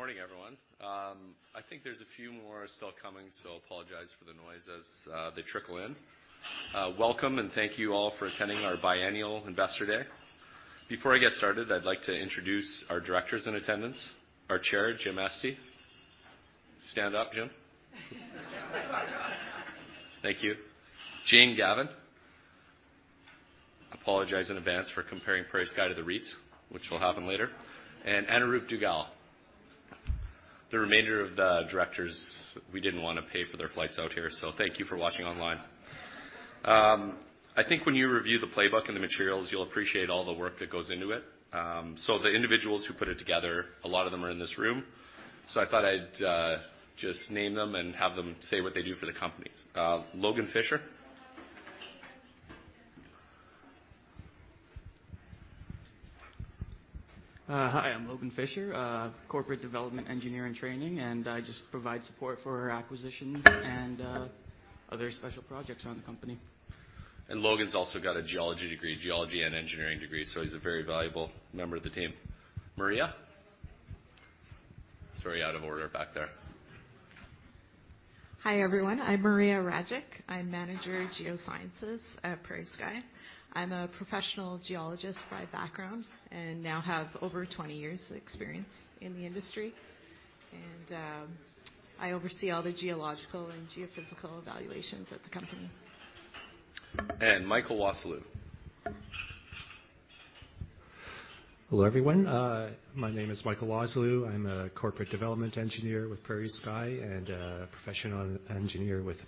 Good morning, everyone. I think there's a few more still coming, so apologize for the noise as they trickle in. Welcome, and thank you all for attending our Biennial Investor Day. Before I get started, I'd like to introduce our directors in attendance. Our Chair, James Estey. Stand up, Jim. Thank you. Jane Gavan. Apologize in advance for comparing PrairieSky to the REITs, which will happen later. Anuroop Duggal. The remainder of the directors, we didn't wanna pay for their flights out here, so thank you for watching online. I think when you review the playbook and the materials, you'll appreciate all the work that goes into it. The individuals who put it together, a lot of them are in this room. I thought I'd just name them and have them say what they do for the company. Logan Fisher. Hi, I'm Logan Fisher, corporate development engineer in training, and I just provide support for acquisitions and other special projects around the company. Logan's also got a geology degree, geology and engineering degree, so he's a very valuable member of the team. Maria. Sorry, out of order back there. Hi, everyone. I'm Maria Rajic. I'm Manager, Geosciences at PrairieSky. I'm a professional geologist by background and now have over 20 years experience in the industry. I oversee all the geological and geophysical evaluations at the company. Michael Wasyliw. Hello, everyone. My name is Michael Wasyliw. I'm a corporate development engineer with PrairieSky and a professional engineer with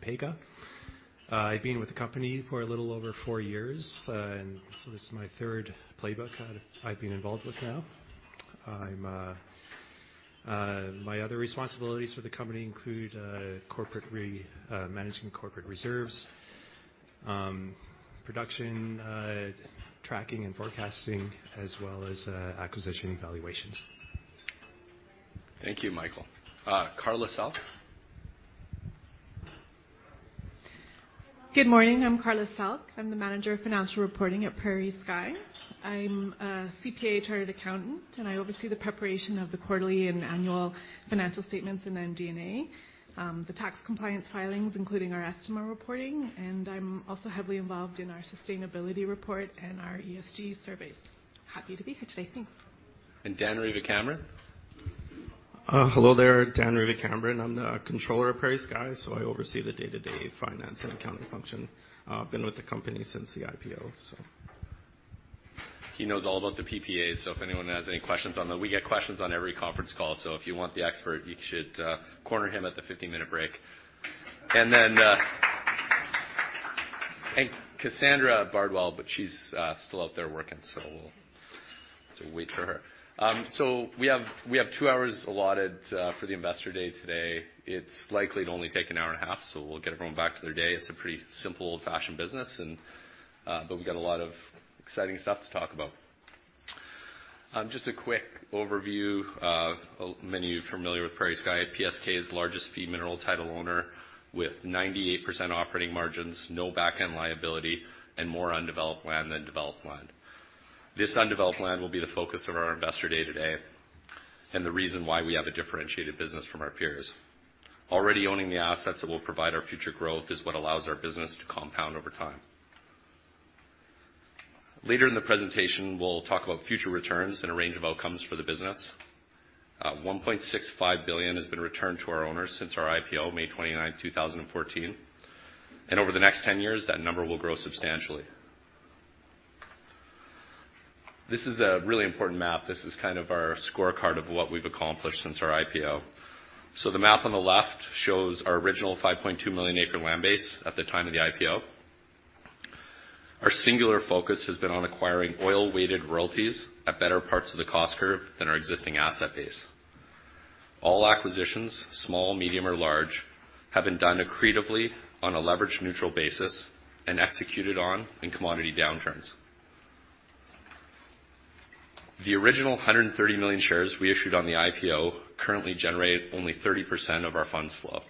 APEGA. I've been with the company for a little over four years. This is my third playbook I've been involved with now. My other responsibilities for the company include managing corporate reserves, production, tracking and forecasting as well as acquisition evaluations. Thank you, Michael. Carla Selk. Good morning. I'm Carla Selk. I'm the manager of financial reporting at PrairieSky. I'm a CPA chartered accountant, and I oversee the preparation of the quarterly and annual financial statements in MD&A, the tax compliance filings, including our estimate reporting, and I'm also heavily involved in our sustainability report and our ESG surveys. Happy to be here today. Thanks. Dan Riva Cambrin. Hello there. Dan Riva Cambrin. I'm the controller at PrairieSky, so I oversee the day-to-day finance and accounting function. I've been with the company since the IPO. He knows all about the PPAs, so if anyone has any questions on. We get questions on every conference call, so if you want the expert, you should corner him at the 15-minute break. Cassandra Bardwell, but she's still out there working, so we'll have to wait for her. We have two hours allotted for the investor day today. It's likely to only take an hour and a half, so we'll get everyone back to their day. It's a pretty simple, old-fashioned business, and but we've got a lot of exciting stuff to talk about. Just a quick overview. Many of you are familiar with PrairieSky. PSK is the largest fee mineral title owner with 98% operating margins, no back-end liability, and more undeveloped land than developed land. This undeveloped land will be the focus of our investor day today and the reason why we have a differentiated business from our peers. Already owning the assets that will provide our future growth is what allows our business to compound over time. Later in the presentation, we'll talk about future returns and a range of outcomes for the business. 1.65 billion has been returned to our owners since our IPO, May 29, 2014. Over the next 10 years, that number will grow substantially. This is a really important map. This is kind of our scorecard of what we've accomplished since our IPO. The map on the left shows our original 5.2 million acre land base at the time of the IPO. Our singular focus has been on acquiring oil-weighted royalties at better parts of the cost curve than our existing asset base. All acquisitions, small, medium or large, have been done accretively on a leverage neutral basis and executed on in commodity downturns. The original 130 million shares we issued on the IPO currently generate only 30% of our funds flow.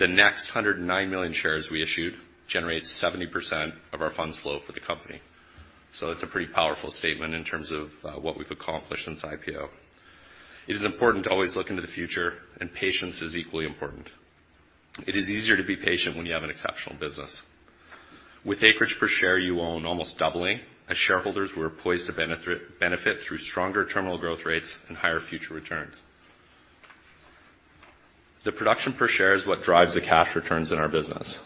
The next 109 million shares we issued generates 70% of our funds flow for the company. It's a pretty powerful statement in terms of what we've accomplished since IPO. It is important to always look into the future. Patience is equally important. It is easier to be patient when you have an exceptional business. With acreage per share you own almost doubling, as shareholders we're poised to benefit through stronger terminal growth rates and higher future returns. The production per share is what drives the cash returns in our business.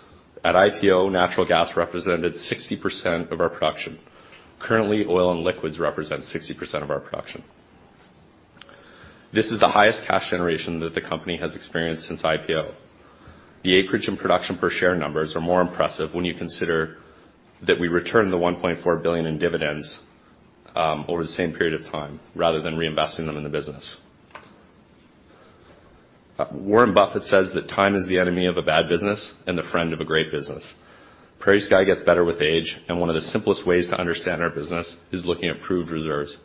At IPO, natural gas represented 60% of our production. Currently, oil and liquids represent 60% of our production. This is the highest cash generation that the company has experienced since IPO. The acreage and production per share numbers are more impressive when you consider that we returned the 1.4 billion in dividends over the same period of time rather than reinvesting them in the business. Warren Buffett says that time is the enemy of a bad business and the friend of a great business. PrairieSky gets better with age. One of the simplest ways to understand our business is looking at proved reserves.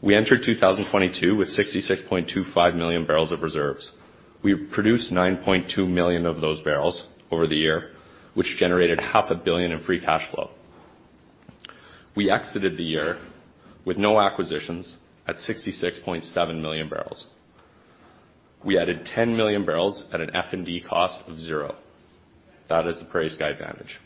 We entered 2022 with 66.25 million barrels of reserves. We produced 9.2 million of those barrels over the year, which generated half a billion in free cash flow. We exited the year with no acquisitions at 66.7 million barrels. We added 10 million barrels at an F&D cost of zero. That is the PrairieSky advantage.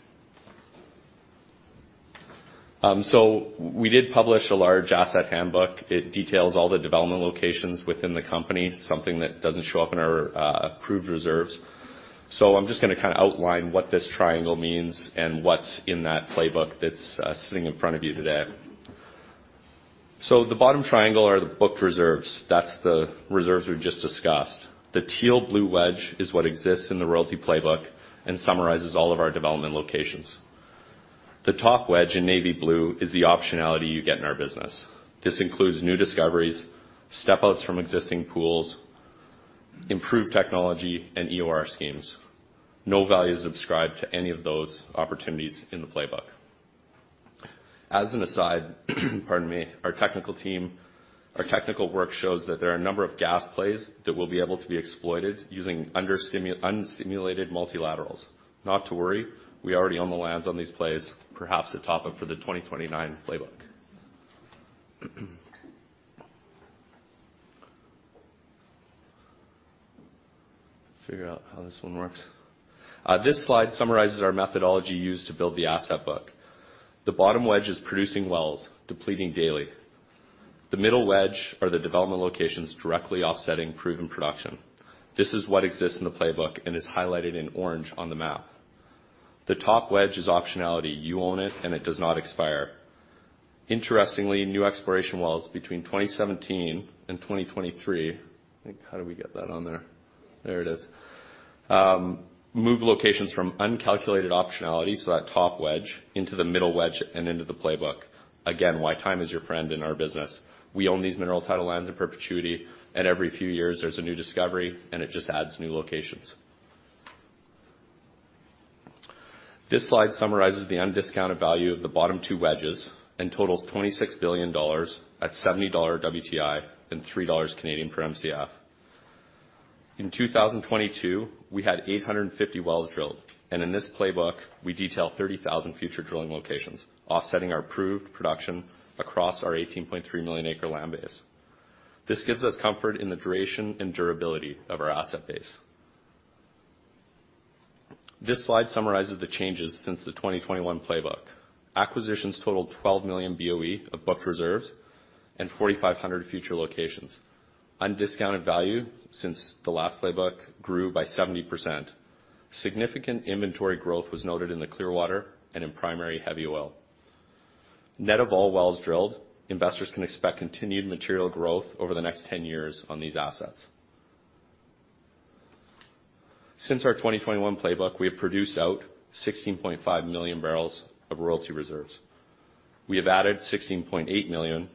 We did publish a large asset handbook. It details all the development locations within the company, something that doesn't show up in our approved reserves. I'm just gonna kinda outline what this triangle means and what's in that playbook that's sitting in front of you today. The bottom triangle are the booked reserves. That's the reserves we've just discussed. The teal blue wedge is what exists in the royalty playbook and summarizes all of our development locations. The top wedge in navy blue is the optionality you get in our business. This includes new discoveries, step outs from existing pools, improved technology, and EOR schemes. No value is subscribed to any of those opportunities in the playbook. As an aside, pardon me, Our technical work shows that there are a number of gas plays that will be able to be exploited using under unsimulated multilaterals. Not to worry, we already own the lands on these plays, perhaps a top-up for the 2029 playbook. Figure out how this one works. This slide summarizes our methodology used to build the asset book. The bottom wedge is producing wells depleting daily. The middle wedge are the development locations directly offsetting proven production. This is what exists in the playbook and is highlighted in orange on the map. The top wedge is optionality. You own it, and it does not expire. Interestingly, new exploration wells between 2017 and 2023. How did we get that on there? There it is. Move locations from uncalculated optionality, so that top wedge, into the middle wedge and into the playbook. Again, why time is your friend in our business. We own these mineral title lands in perpetuity, and every few years there's a new discovery, and it just adds new locations. This slide summarizes the undiscounted value of the bottom two wedges and totals CAD 26 billion at $70 WTI and 3 Canadian dollars per Mcf. In 2022, we had 850 wells drilled, and in this playbook, we detail 30,000 future drilling locations offsetting our approved production across our 18.3 million acre land base. This gives us comfort in the duration and durability of our asset base. This slide summarizes the changes since the 2021 playbook. Acquisitions totaled 12 million BOE of booked reserves and 4,500 future locations. Undiscounted value since the last playbook grew by 70%. Significant inventory growth was noted in the Clearwater and in primary heavy oil. Net of all wells drilled, investors can expect continued material growth over the next 10 years on these assets. Since our 2021 playbook, we have produced out 16.5 million barrels of royalty reserves. We have added 16.8 million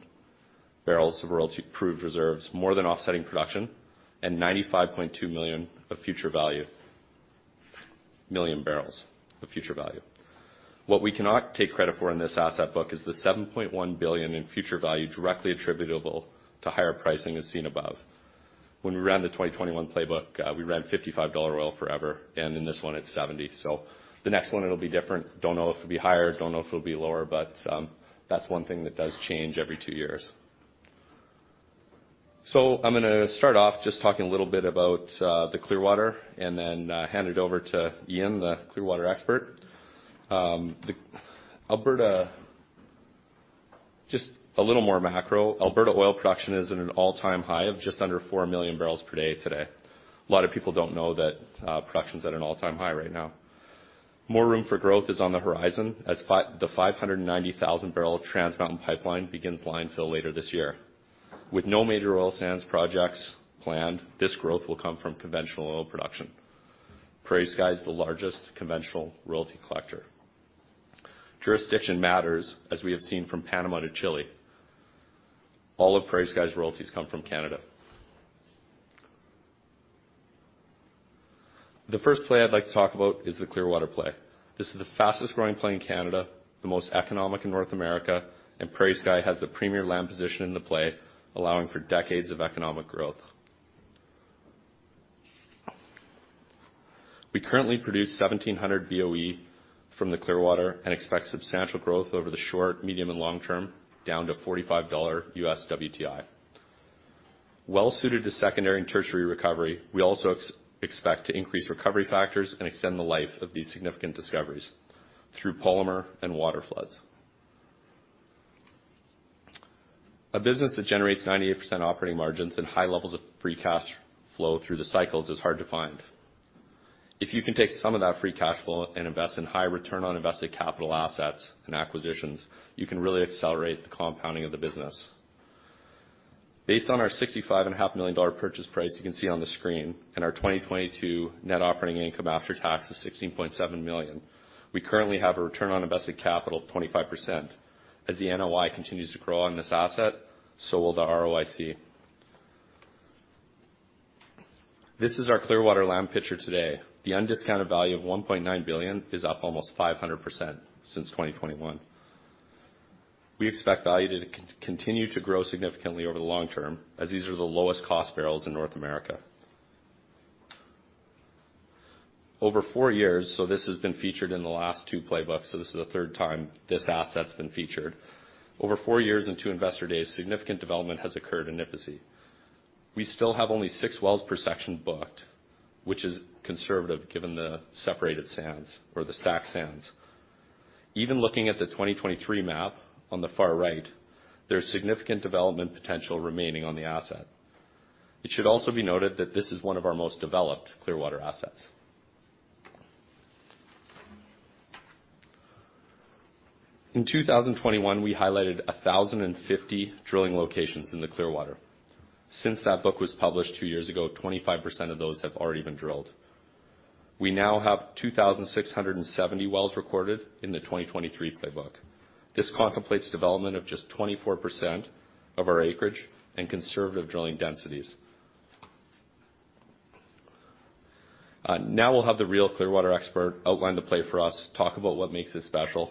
barrels of royalty approved reserves, more than offsetting production and 95.2 million of future value, million barrels of future value. What we cannot take credit for in this asset book is the 7.1 billion in future value directly attributable to higher pricing as seen above. When we ran the 2021 playbook, we ran $55 oil forever, in this one it's $70. The next one it'll be different. Don't know if it'll be higher, don't know if it'll be lower, but that's one thing that does change every two years. I'm gonna start off just talking a little bit about the Clearwater and then hand it over to Ian, the Clearwater expert. Just a little more macro. Alberta oil production is at an all-time high of just under 4 million barrels per day today. A lot of people don't know that production's at an all-time high right now. More room for growth is on the horizon as the 590,000 barrel Trans Mountain pipeline begins line fill later this year. With no major oil sands projects planned, this growth will come from conventional oil production. PrairieSky is the largest conventional royalty collector. Jurisdiction matters as we have seen from Panama to Chile. All of PrairieSky's royalties come from Canada. The first play I'd like to talk about is the Clearwater play. This is the fastest growing play in Canada, the most economic in North America, and PrairieSky has the premier land position in the play, allowing for decades of economic growth. We currently produce 1,700 BOE from the Clearwater and expect substantial growth over the short, medium, and long term down to $45 US WTI. Well suited to secondary and tertiary recovery, we also expect to increase recovery factors and extend the life of these significant discoveries through polymer and water floods. A business that generates 98% operating margins and high levels of free cash flow through the cycles is hard to find. If you can take some of that free cash flow and invest in high return on invested capital assets and acquisitions, you can really accelerate the compounding of the business. Based on our 65 and a half million dollar purchase price you can see on the screen and our 2022 net operating income after tax of 16.7 million, we currently have a return on invested capital of 25%. As the NOI continues to grow on this asset, so will the ROIC. This is our Clearwater land picture today. The undiscounted value of 1.9 billion is up almost 500% since 2021. We expect value to continue to grow significantly over the long term, as these are the lowest cost barrels in North America. Over four years, this has been featured in the last two playbooks, so this is the third time this asset's been featured. Over foue years and two investor days, significant development has occurred in Nipisi. We still have only six wells per section booked, which is conservative given the separated sands or the stack sands. Even looking at the 2023 map on the far right, there's significant development potential remaining on the asset. It should also be noted that this is one of our most developed Clearwater assets. In 2021, we highlighted 1,050 drilling locations in the Clearwater. Since that book was published two years ago, 25% of those have already been drilled. We now have 2,670 wells recorded in the 2023 playbook. This contemplates development of just 24% of our acreage and conservative drilling densities. Now we'll have the real Clearwater expert outline the play for us, talk about what makes this special,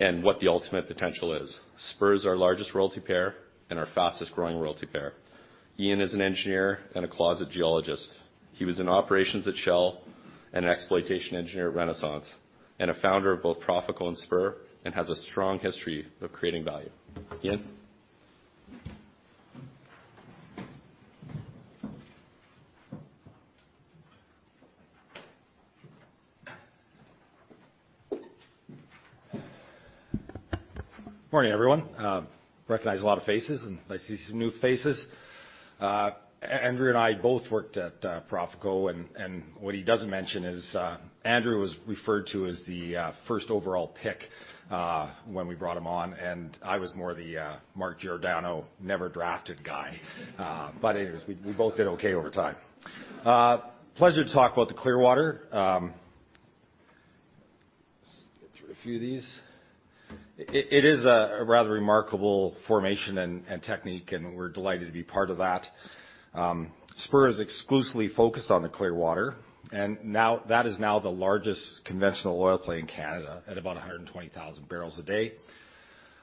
and what the ultimate potential is. Spur is our largest royalty payer and our fastest-growing royalty payer. Ian is an engineer and a closet geologist. He was in operations at Shell and an exploitation engineer at Renaissance, and a founder of both Profico and Spur, and has a strong history of creating value. Ian? Morning, everyone. Recognize a lot of faces, and I see some new faces. Andrew and I both worked at Profico, and what he doesn't mention is Andrew was referred to as the first overall pick when we brought him on, and I was more the Mark Giordano never drafted guy. Anyways, we both did okay over time. Pleasure to talk about the Clearwater. Just get through a few of these. It is a rather remarkable formation and technique, and we're delighted to be part of that. Spur is exclusively focused on the Clearwater, that is now the largest conventional oil play in Canada at about 120,000 barrels a day.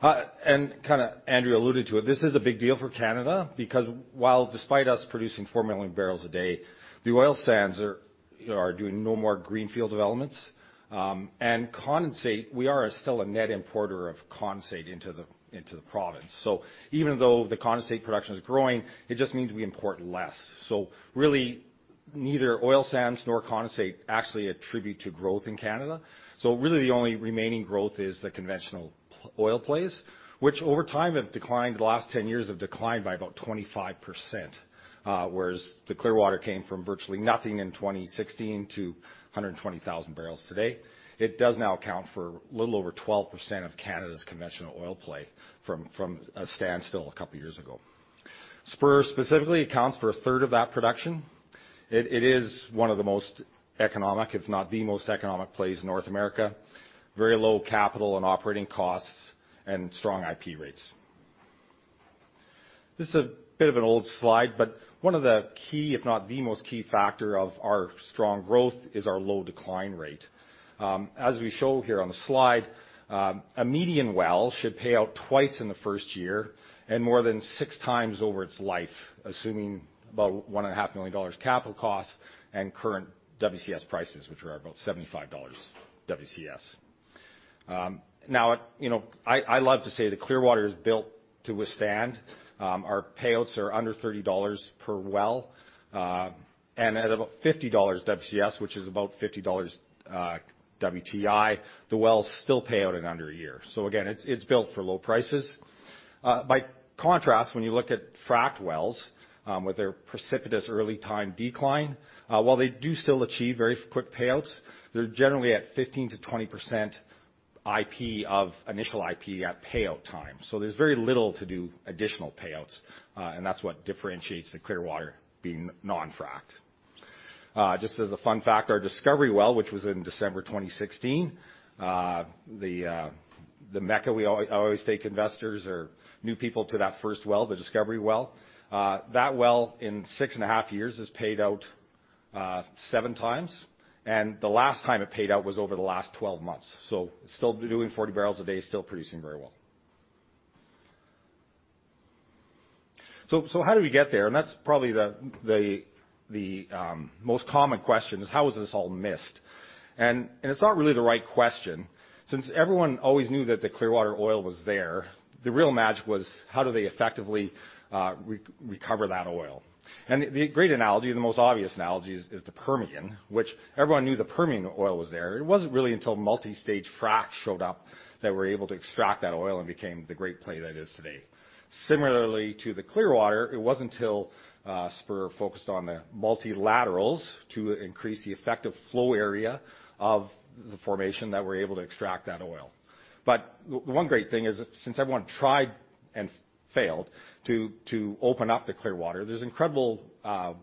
Kinda Andrew alluded to it, this is a big deal for Canada because while despite us producing 4 million barrels a day, the oil sands are, you know, are doing no more greenfield developments, and condensate, we are still a net importer of condensate into the province. Even though the condensate production is growing, it just means we import less. Really neither oil sands nor condensate actually attribute to growth in Canada. Really the only remaining growth is the conventional oil plays, which over time have declined. The last 10 years have declined by about 25%, whereas the Clearwater came from virtually nothing in 2016 to 120,000 barrels today. It does now account for a little over 12% of Canada's conventional oil play from a standstill a couple years ago. Spur specifically accounts for a third of that production. It is one of the most economic, if not the most economic plays in North America. Very low capital and operating costs and strong IP rates. This is a bit of an old slide, but one of the key, if not the most key factor of our strong growth is our low decline rate. As we show here on the slide, a median well should pay out twice in the first year and more than six times over its life, assuming about 1.5 million dollars capital costs and current WCS prices, which are about 75 dollars WCS. Now, you know, I love to say that Clearwater is built to withstand. Our payouts are under 30 dollars per well, and at about 50 dollars WCS, which is about $50 WTI, the wells still pay out in under a year. Again, it's built for low prices. By contrast, when you look at fracked wells, with their precipitous early time decline, while they do still achieve very quick payouts, they're generally at 15%-20% IP of initial IP at payout time. There's very little to do additional payouts, and that's what differentiates the Clearwater being non-fracked. Just as a fun fact, our discovery well, which was in December 2016, the mecca we always take investors or new people to that first well, the discovery well, that well in six and a half years has paid out seven times, and the last time it paid out was over the last 12 months. Still doing 40 barrels a day, still producing very well. How did we get there? That's probably the most common question is, how was this all missed? It's not really the right question. Since everyone always knew that the Clearwater oil was there, the real magic was how do they effectively re-recover that oil. The great analogy, the most obvious analogy is the Permian, which everyone knew the Permian oil was there. It wasn't really until multi-stage fracks showed up that we're able to extract that oil and became the great play that it is today. Similarly to the Clearwater, it wasn't till Spur focused on the multilaterals to increase the effective flow area of the formation that we're able to extract that oil. The one great thing is that since everyone tried and failed to open up the Clearwater, there's incredible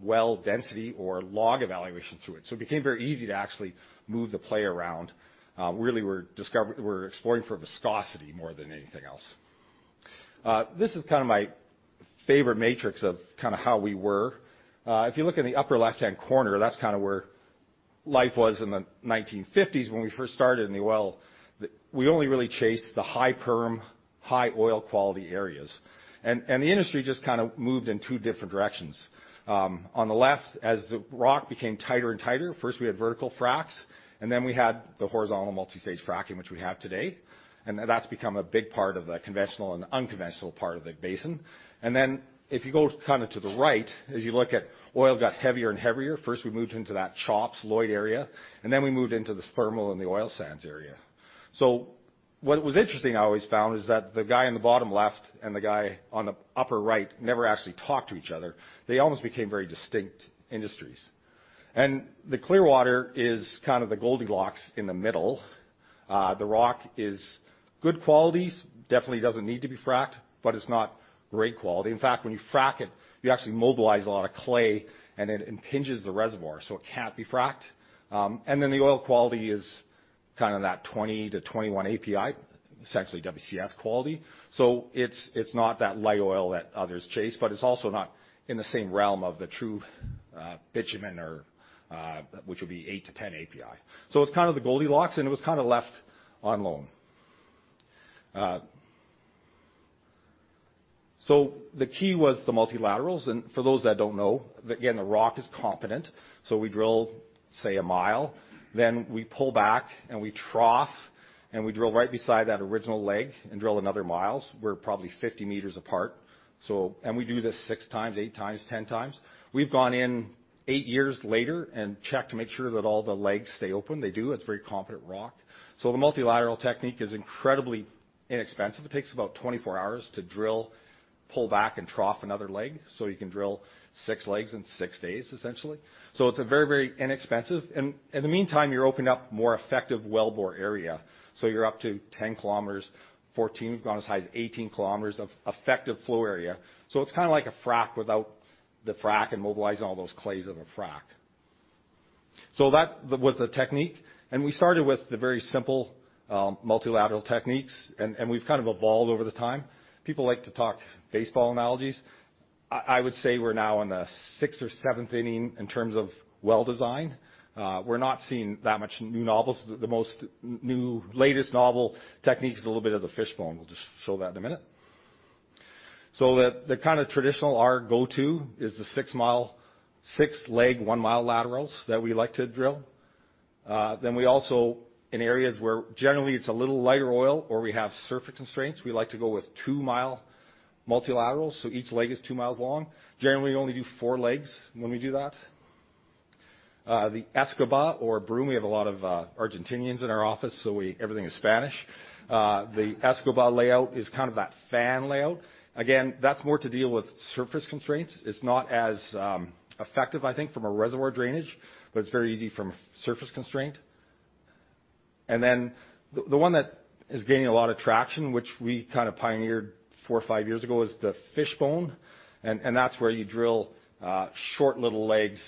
well density or log evaluation through it. It became very easy to actually move the play around. Really we're exploring for viscosity more than anything else. This is kinda my favorite matrix of kinda how we were. If you look in the upper left-hand corner, that's kinda where life was in the 1950s when we first started in the well. we only really chased the high perm high oil quality areas. The industry just kind of moved in two different directions. On the left, as the rock became tighter and tighter, first, we had vertical fracs, and then we had the horizontal multi-stage fracking, which we have today. That's become a big part of the conventional and unconventional part of the basin. Then if you go kind of to the right, as you look at oil got heavier and heavier, first, we moved into that CHOPS, Lloyd area, and then we moved into the thermal and the oil sands area. What was interesting I always found is that the guy on the bottom left and the guy on the upper right never actually talked to each other. They almost became very distinct industries. The Clearwater is kind of the Goldilocks in the middle. The rock is good qualities, definitely doesn't need to be fracked, but it's not great quality. When you frack it, you actually mobilize a lot of clay, and it impinges the reservoir, so it can't be fracked. Then the oil quality is kinda that 20 to 21 API, essentially WCS quality. It's not that light oil that others chase, but it's also not in the same realm of the true bitumen or which would be eight to 10 API. It's kinda the Goldilocks, and it was kinda left on loan. The key was the multilaterals. For those that don't know, again, the rock is competent, we drill, say, 1 mi, then we pull back, and we trough, and we drill right beside that original leg and drill another 1 mi. We're probably 50 meters apart. We do this six times, eight times, 10 times. We've gone in eight years later and checked to make sure that all the legs stay open. They do. It's very competent rock. The multilateral technique is incredibly inexpensive. It takes about 24 hours to drill, pull back, and trough another leg. You can drill six legs in six days, essentially. It's a very inexpensive. In the meantime, you're opening up more effective wellbore area. You're up to 10 km, 14 km, we've gone as high as 18 km of effective flow area. It's kinda like a frac without the frac and mobilizing all those clays of a frac. That was the technique. We started with the very simple, multilateral techniques, and we've kind of evolved over the time. People like to talk baseball analogies. I would say we're now in the sixth or seventh inning in terms of well design. We're not seeing that much new novels. The most new latest novel techniques is a little bit of the fishbone. We'll just show that in a minute. The kind of traditional, our go-to is the six-leg, 1 mi laterals that we like to drill. We also in areas where generally it's a little lighter oil or we have surface constraints, we like to go with 2 mi multilaterals, so each leg is 2 mi long. Generally, we only do four legs when we do that. The Escoba or broom, we have a lot of Argentinians in our office, so everything is Spanish. The Escoba layout is kind of that fan layout. Again, that's more to deal with surface constraints. It's not as effective, I think, from a reservoir drainage, but it's very easy from surface constraint. The one that is gaining a lot of traction, which we kind of pioneered four or five years ago, is the fishbone. That's where you drill short little legs,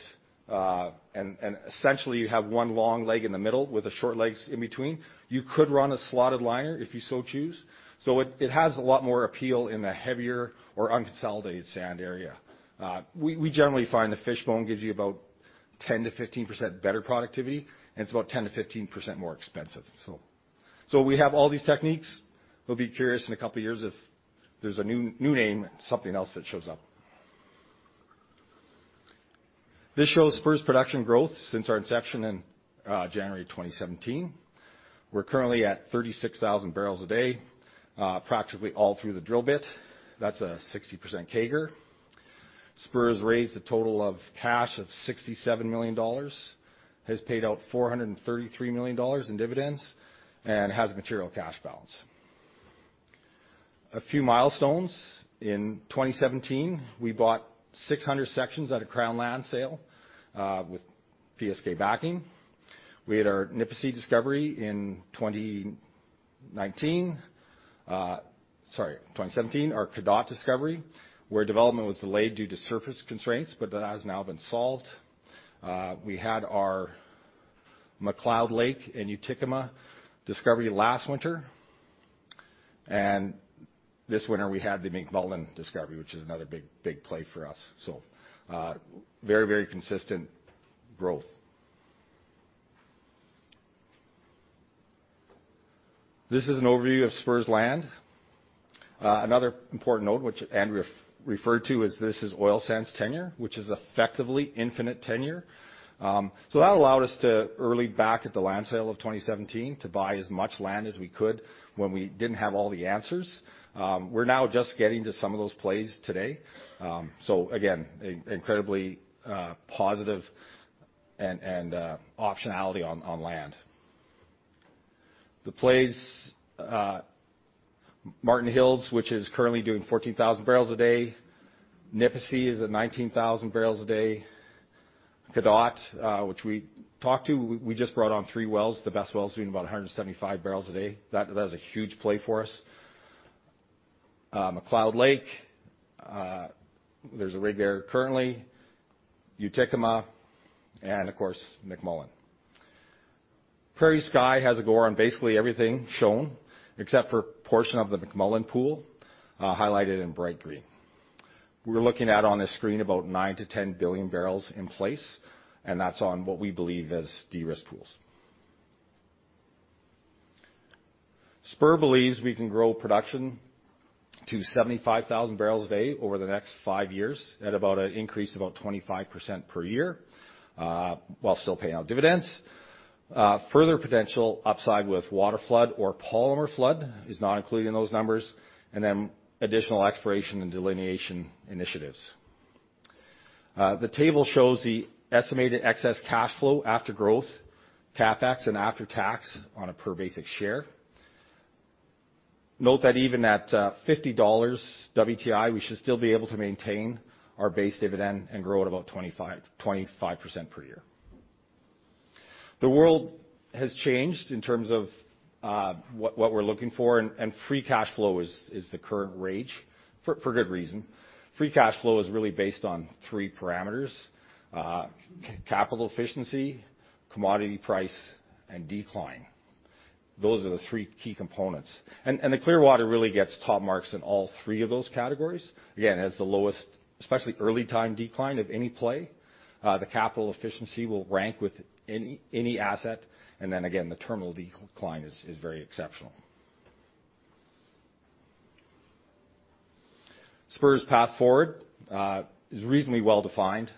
and essentially you have one long leg in the middle with the short legs in between. You could run a slotted liner if you so choose. It has a lot more appeal in the heavier or unconsolidated sand area. We generally find the fishbone gives you about 10%-15% better productivity, and it's about 10%-15% more expensive. We have all these techniques. We'll be curious in a couple of years if there's a new name, something else that shows up. This shows Spur's production growth since our inception in January 2017. We're currently at 36,000 barrels a day, practically all through the drill bit. That's a 60% CAGR. Spur's raised a total of cash of $67 million, has paid out $433 million in dividends and has material cash balance. A few milestones. In 2017, we bought 600 sections at a Crown land sale, with PSK backing. We had our Nipisi discovery in 2019. 2017, our Cadotte discovery, where development was delayed due to surface constraints. That has now been solved. We had our McLeod Lake and Utikuma discovery last winter. This winter, we had the McMullen discovery, which is another big, big play for us. Very, very consistent growth. This is an overview of Spur's Land. Another important note which Andrew referred to is this is oil sands tenure, which is effectively infinite tenure. That allowed us to early back at the land sale of 2017 to buy as much land as we could when we didn't have all the answers. We're now just getting to some of those plays today. Again, incredibly positive and optionality on land. The plays, Marten Hills, which is currently doing 14,000 barrels a day. Nipisi is at 19,000 barrels a day. Cadotte, which we talked to, we just brought on three wells, the best wells doing about 175 barrels a day. That is a huge play for us. McLeod Lake, there's a rig there currently. Utikuma, and of course, McMullen. PrairieSky has a go on basically everything shown, except for a portion of the McMullen pool, highlighted in bright green. We're looking at on the screen about 9-10 billion barrels in place, and that's on what we believe as de-risked pools. Spur believes we can grow production to 75,000 barrels a day over the next five years at about an increase of about 25% per year, while still paying out dividends. Further potential upside with water flood or polymer flood is not included in those numbers, and then additional exploration and delineation initiatives. The table shows the estimated excess cash flow after growth, CapEx, and after tax on a per basic share. Note that even at $50 WTI, we should still be able to maintain our base dividend and grow at about 25% per year. The world has changed in terms of what we're looking for and free cash flow is the current rage for good reason. Free cash flow is really based on three parameters: capital efficiency, commodity price, and decline. Those are the three key components. The Clearwater really gets top marks in all three of those categories. Again, has the lowest, especially early time decline of any play. The capital efficiency will rank with any asset. Again, the terminal decline is very exceptional. Spur's path forward is reasonably well-defined.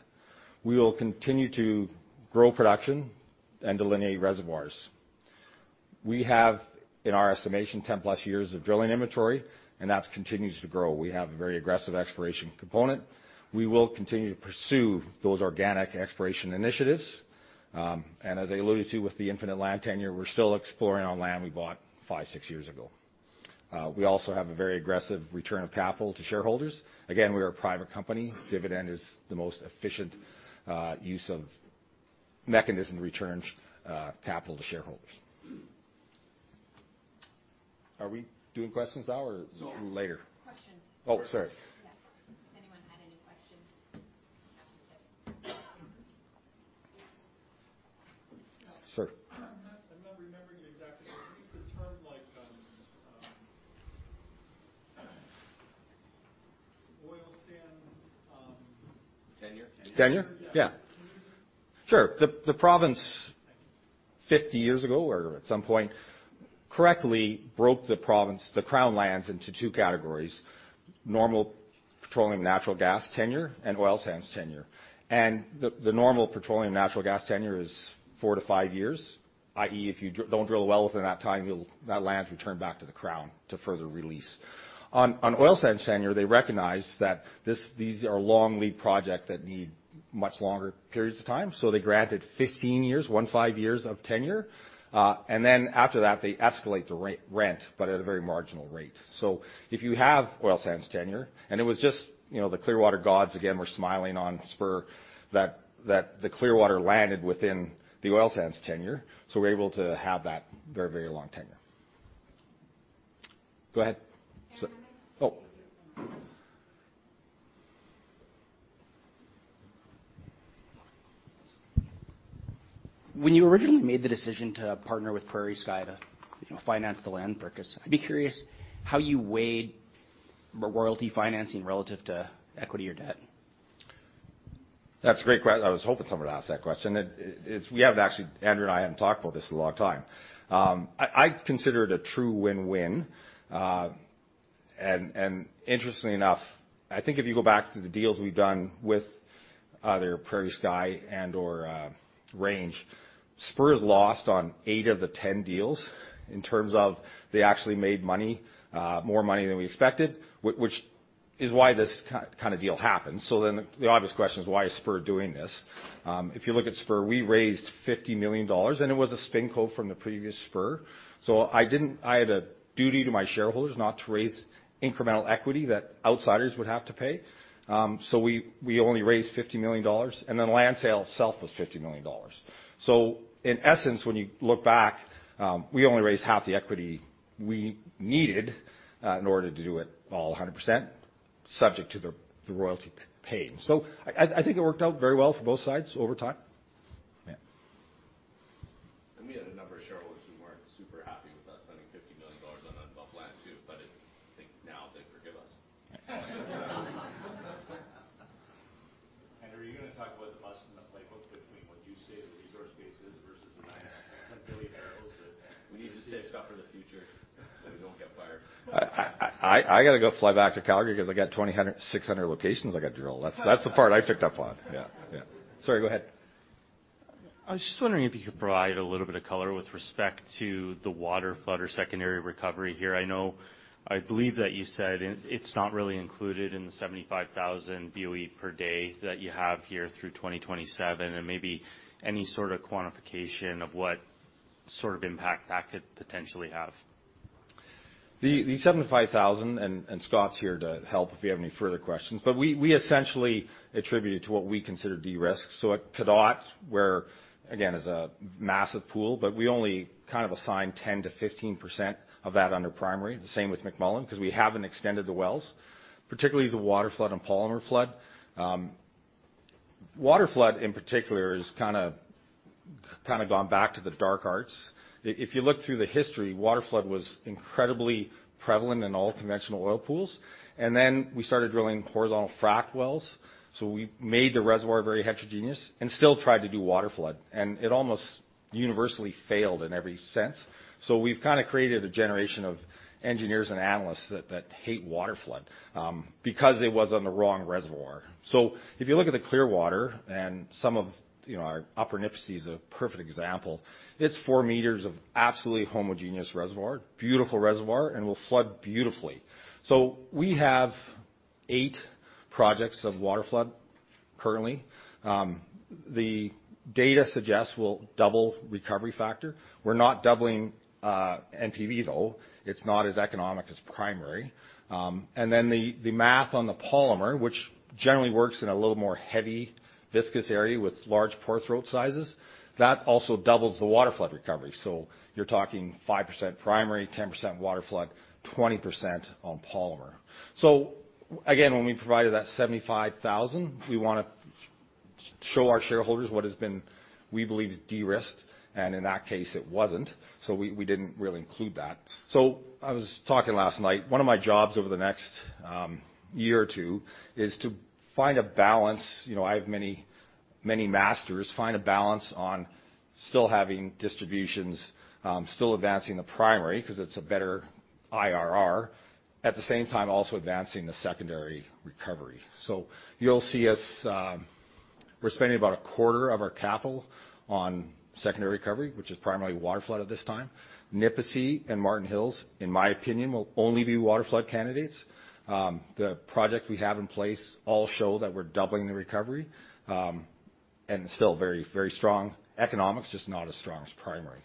We will continue to grow production and delineate reservoirs. We have, in our estimation, 10+ years of drilling inventory, and that's continues to grow. We have a very aggressive exploration component. We will continue to pursue those organic exploration initiatives. As I alluded to with the infinite land tenure, we're still exploring on land we bought five, six years ago. We also have a very aggressive return of capital to shareholders. Again, we're a private company. Dividend is the most efficient use of mechanism to return capital to shareholders. Are we doing questions now or later? Yeah. Questions. Oh, sorry. Yeah. If anyone had any questions, happy to take them. I'm not remembering the exact term. I think the term like oil sands. Tenure? Tenure? Yeah. Sure. The province 50 years ago or at some point correctly broke the province, the Crown lands into two categories, normal petroleum natural gas tenure and oil sands tenure. The normal petroleum natural gas tenure is four to five years, i.e., if you don't drill a well within that time, that land is returned back to the Crown to further release. On oil sands tenure, they recognize that these are long lead project that need much longer periods of time, so they granted 15 years, 15 years of tenure. After that, they escalate the rent, but at a very marginal rate. If you have oil sands tenure, and it was just, you know, the Clearwater gods again were smiling on Spur that the Clearwater landed within the oil sands tenure, so we're able to have that very, very long tenure. Go ahead. Can I make. Oh. When you originally made the decision to partner with PrairieSky to, you know, finance the land purchase, I'd be curious how you weighed the royalty financing relative to equity or debt. I was hoping someone would ask that question. It's. We haven't actually. Andrew and I haven't talked about this in a long time. I consider it a true win-win. Interestingly enough, I think if you go back to the deals we've done with either PrairieSky and/or Range, Spur has lost on eight of the 10 deals in terms of they actually made money, more money than we expected, which is why this kind of deal happens. The obvious question is, why is Spur doing this? If you look at Spur, we raised $50 million, it was a spin co from the previous Spur. I didn't. I had a duty to my shareholders not to raise incremental equity that outsiders would have to pay. We only raised 50 million dollars, and then land sale itself was 50 million dollars. In essence, when you look back, we only raised half the equity we needed, in order to do it all 100%, subject to the royalty paid. I think it worked out very well for both sides over time. Yeah. We had a number of shareholders who weren't super happy with us spending CAD 50 million on unbuffed land too, but I think now they forgive us. Andrew, are you gonna talk about the bust in the playbook between what you say the resource base is versus the 9-10 billion barrels that we need to save stuff for the future so we don't get fired? I gotta go fly back to Calgary 'cause I got 600 locations I gotta drill. That's the part I picked up on. Yeah. Yeah. Sorry, go ahead. I was just wondering if you could provide a little bit of color with respect to the waterflood or secondary recovery here. I believe that you said it's not really included in the 75,000 BOE per day that you have here through 2027, and maybe any sort of quantification of what sort of impact that could potentially have. The 75,000, and Scott's here to help if you have any further questions, but we essentially attribute it to what we consider de-risk. At Pedot, where, again, is a massive pool, but we only kind of assigned 10%-15% of that under primary. The same with McMullen, 'cause we haven't extended the wells, particularly the waterflood and polymer flood. Waterflood in particular is kinda gone back to the dark arts. If you look through the history, waterflood was incredibly prevalent in all conventional oil pools. Then we started drilling horizontal frack wells, so we made the reservoir very heterogeneous and still tried to do waterflood. It almost universally failed in every sense. We've kind of created a generation of engineers and analysts that hate waterflood because it was on the wrong reservoir. If you look at the Clearwater and some of. You know, our Upper Nipisi is a perfect example. It's 4 mi of absolutely homogeneous reservoir, beautiful reservoir and will flood beautifully. We have eight projects of waterflood currently. The data suggests we'll double recovery factor. We're not doubling NPV though. It's not as economic as primary. Then the math on the polymer, which generally works in a little more heavy viscous area with large pore throat sizes, that also doubles the waterflood recovery. You're talking 5% primary, 10% waterflood, 20% on polymer. Again, when we provided that 75,000, we wanna show our shareholders what has been, we believe, de-risked, and in that case, it wasn't. We didn't really include that. I was talking last night. One of my jobs over the next year or two is to find a balance. You know, I have many, many masters. Find a balance on still having distributions, still advancing the primary 'cause it's a better IRR. At the same time, also advancing the secondary recovery. You'll see us. We're spending about a quarter of our capital on secondary recovery, which is primarily waterflood at this time. Nipisi and Marten Hills, in my opinion, will only be waterflood candidates. The project we have in place all show that we're doubling the recovery and still very, very strong economics, just not as strong as primary.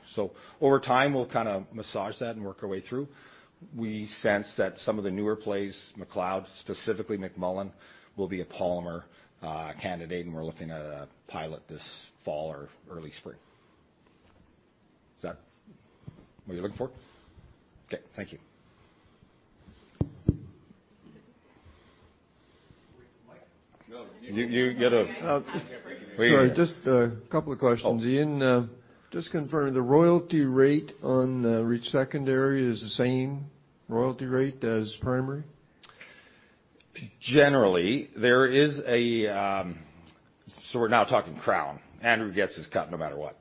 Over time, we'll kind of massage that and work our way through. We sense that some of the newer plays, McLeod, specifically McMullen, will be a polymer candidate, and we're looking at a pilot this fall or early spring. Is that what you're looking for? Okay, thank you. Wait for the mic. Sorry. Just a couple of questions. Oh. Ian, just confirm, the royalty rate on, each secondary is the same royalty rate as primary? Generally, there is a. We're now talking Crown. Andrew gets his cut no matter what.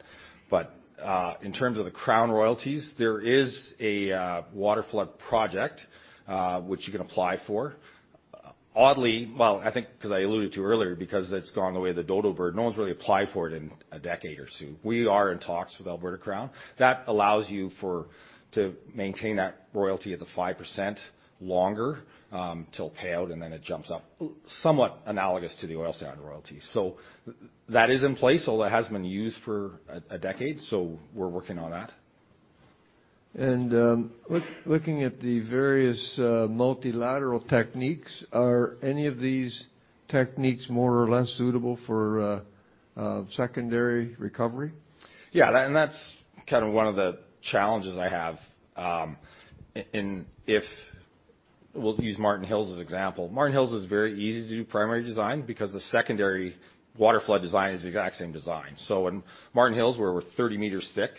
In terms of the Crown royalties, there is a waterflood project which you can apply for. Oddly, well, I think because I alluded to earlier because it's gone the way of the dodo bird, no one's really applied for it in a decade or two. We are in talks with Alberta Crown. That allows you to maintain that royalty at the 5% longer till payout, and then it jumps up. Somewhat analogous to the oil sands royalty. That is in place, although it hasn't been used for a decade. We're working on that. Looking at the various multilateral techniques, are any of these techniques more or less suitable for secondary recovery? That's kind of one of the challenges I have. We'll use Marten Hills as example. Marten Hills is very easy to do primary design because the secondary waterflood design is the exact same design. In Marten Hills, where we're 30 meters thick,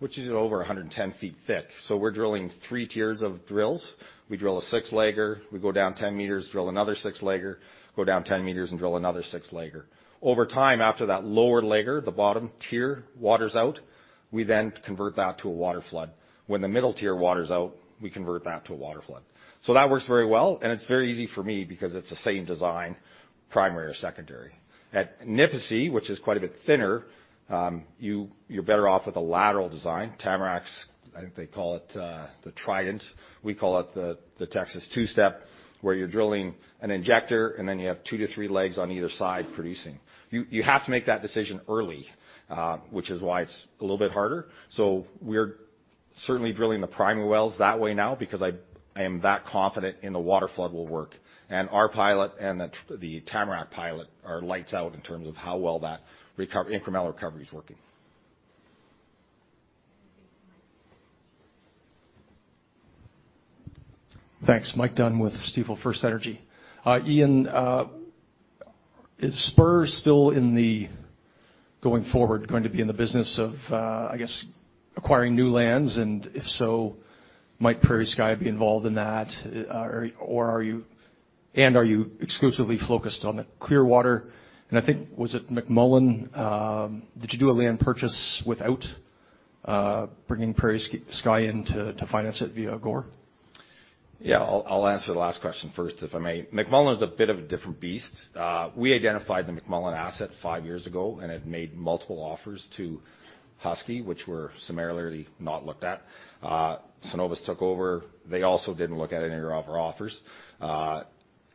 which is over 110 feet thick. We're drilling 3 tiers of drills. We drill a 6-legger. We go down 10 meters, drill another 6-legger, go down 10 meters and drill another 6-legger. Over time, after that lower legger, the bottom tier waters out, we then convert that to a waterflood. When the middle tier waters out, we convert that to a waterflood. That works very well, and it's very easy for me because it's the same design, primary or secondary. At Nipisi, which is quite a bit thinner, You're better off with a lateral design. Tamarack's, I think they call it, the trident. We call it the Texas two-step, where you're drilling an injector and then you have two to three legs on either side producing. You have to make that decision early, which is why it's a little bit harder. We're certainly drilling the primary wells that way now because I am that confident in the waterflood will work. Our pilot and the Tamarack pilot are lights out in terms of how well that incremental recovery is working. I think the mic's. Thanks. Mike Dunn with Stifel FirstEnergy. Ian, is Spur still going forward, going to be in the business of, I guess, acquiring new lands? If so, might PrairieSky be involved in that? Are you exclusively focused on the Clearwater? I think, was it McMullen? Did you do a land purchase without bringing PrairieSky in to finance it via GOR? I'll answer the last question first, if I may. McMullen is a bit of a different beast. We identified the McMullen asset five years ago and had made multiple offers to Husky, which were summarily not looked at. Cenovus took over. They also didn't look at any of our offers.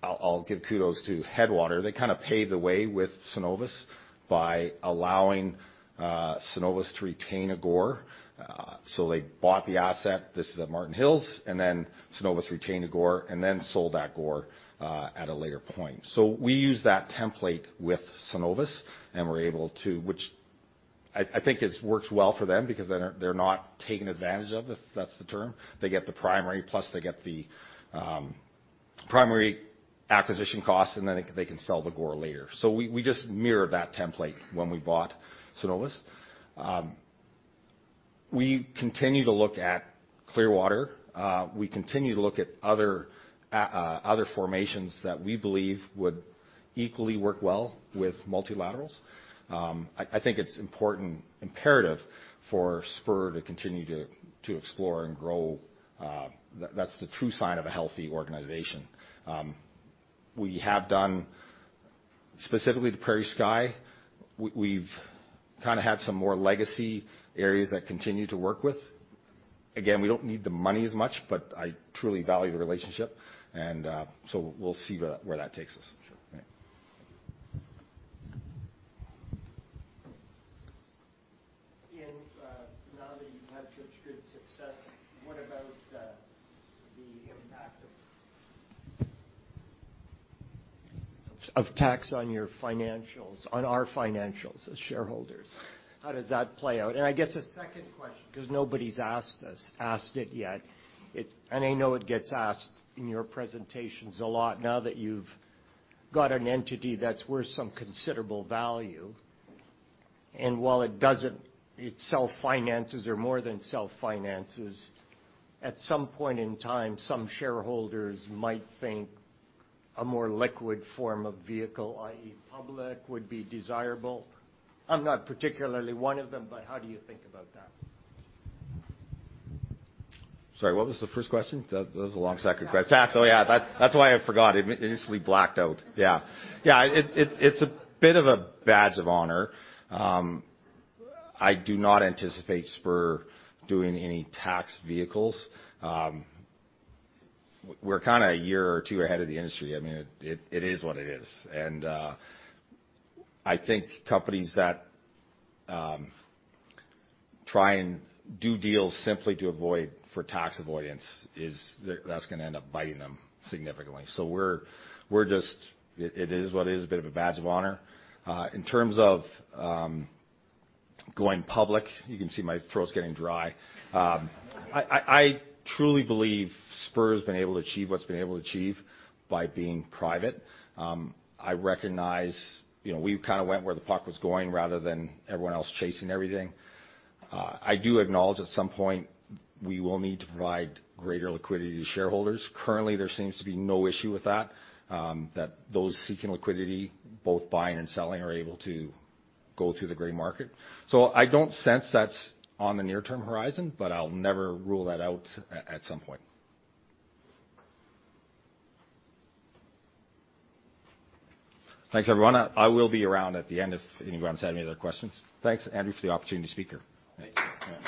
I'll give kudos to Headwater. They kind of paved the way with Cenovus by allowing Cenovus to retain a GOR. They bought the asset, this is at Marten Hills, and then Cenovus retained a GOR, and then sold that a GOR at a later point. We used that template with Cenovus, and were able to, I think it's worked well for them because they're not, they're not taken advantage of, if that's the term. They get the primary, plus they get the primary acquisition cost. They can sell the GOR later. We just mirrored that template when we bought Cenovus. We continue to look at Clearwater. We continue to look at other formations that we believe would equally work well with multilaterals. I think it's important, imperative for Spur to continue to explore and grow. That's the true sign of a healthy organization. We have done. Specifically, PrairieSky, we've kinda had some more legacy areas that continue to work with. Again, we don't need the money as much. I truly value the relationship. We'll see where that takes us. Sure. Ian, now that you've had such good success, what about the impact of tax on your financials, on our financials as shareholders? How does that play out? I guess a second question, 'cause nobody's asked us, asked it yet. I know it gets asked in your presentations a lot now that you've got an entity that's worth some considerable value, and while it doesn't. It self-finances or more than self-finances, at some point in time, some shareholders might think a more liquid form of vehicle, i.e., public, would be desirable. I'm not particularly one of them, but how do you think about that? Sorry, what was the first question? That was a long second question. Tax. Oh, yeah. That's why I forgot. It instantly blacked out. Yeah. Yeah. It's a bit of a badge of honor. I do not anticipate Spur doing any tax vehicles. We're kinda a year or two ahead of the industry. I mean, it is what it is. I think companies that try and do deals simply to avoid for tax avoidance is. That's gonna end up biting them significantly. We're just. It is what it is, a bit of a badge of honor. In terms of going public, you can see my throat's getting dry. I truly believe Spur's been able to achieve what it's been able to achieve by being private. I recognize, you know, we kinda went where the puck was going rather than everyone else chasing everything. I do acknowledge at some point, we will need to provide greater liquidity to shareholders. Currently, there seems to be no issue with that those seeking liquidity, both buying and selling, are able to go through the gray market. I don't sense that's on the near-term horizon, but I'll never rule that out at some point. Thanks, everyone. I will be around at the end if anyone has any other questions. Thanks, Andrew, for the opportunity to speak here. Thank you. Yeah.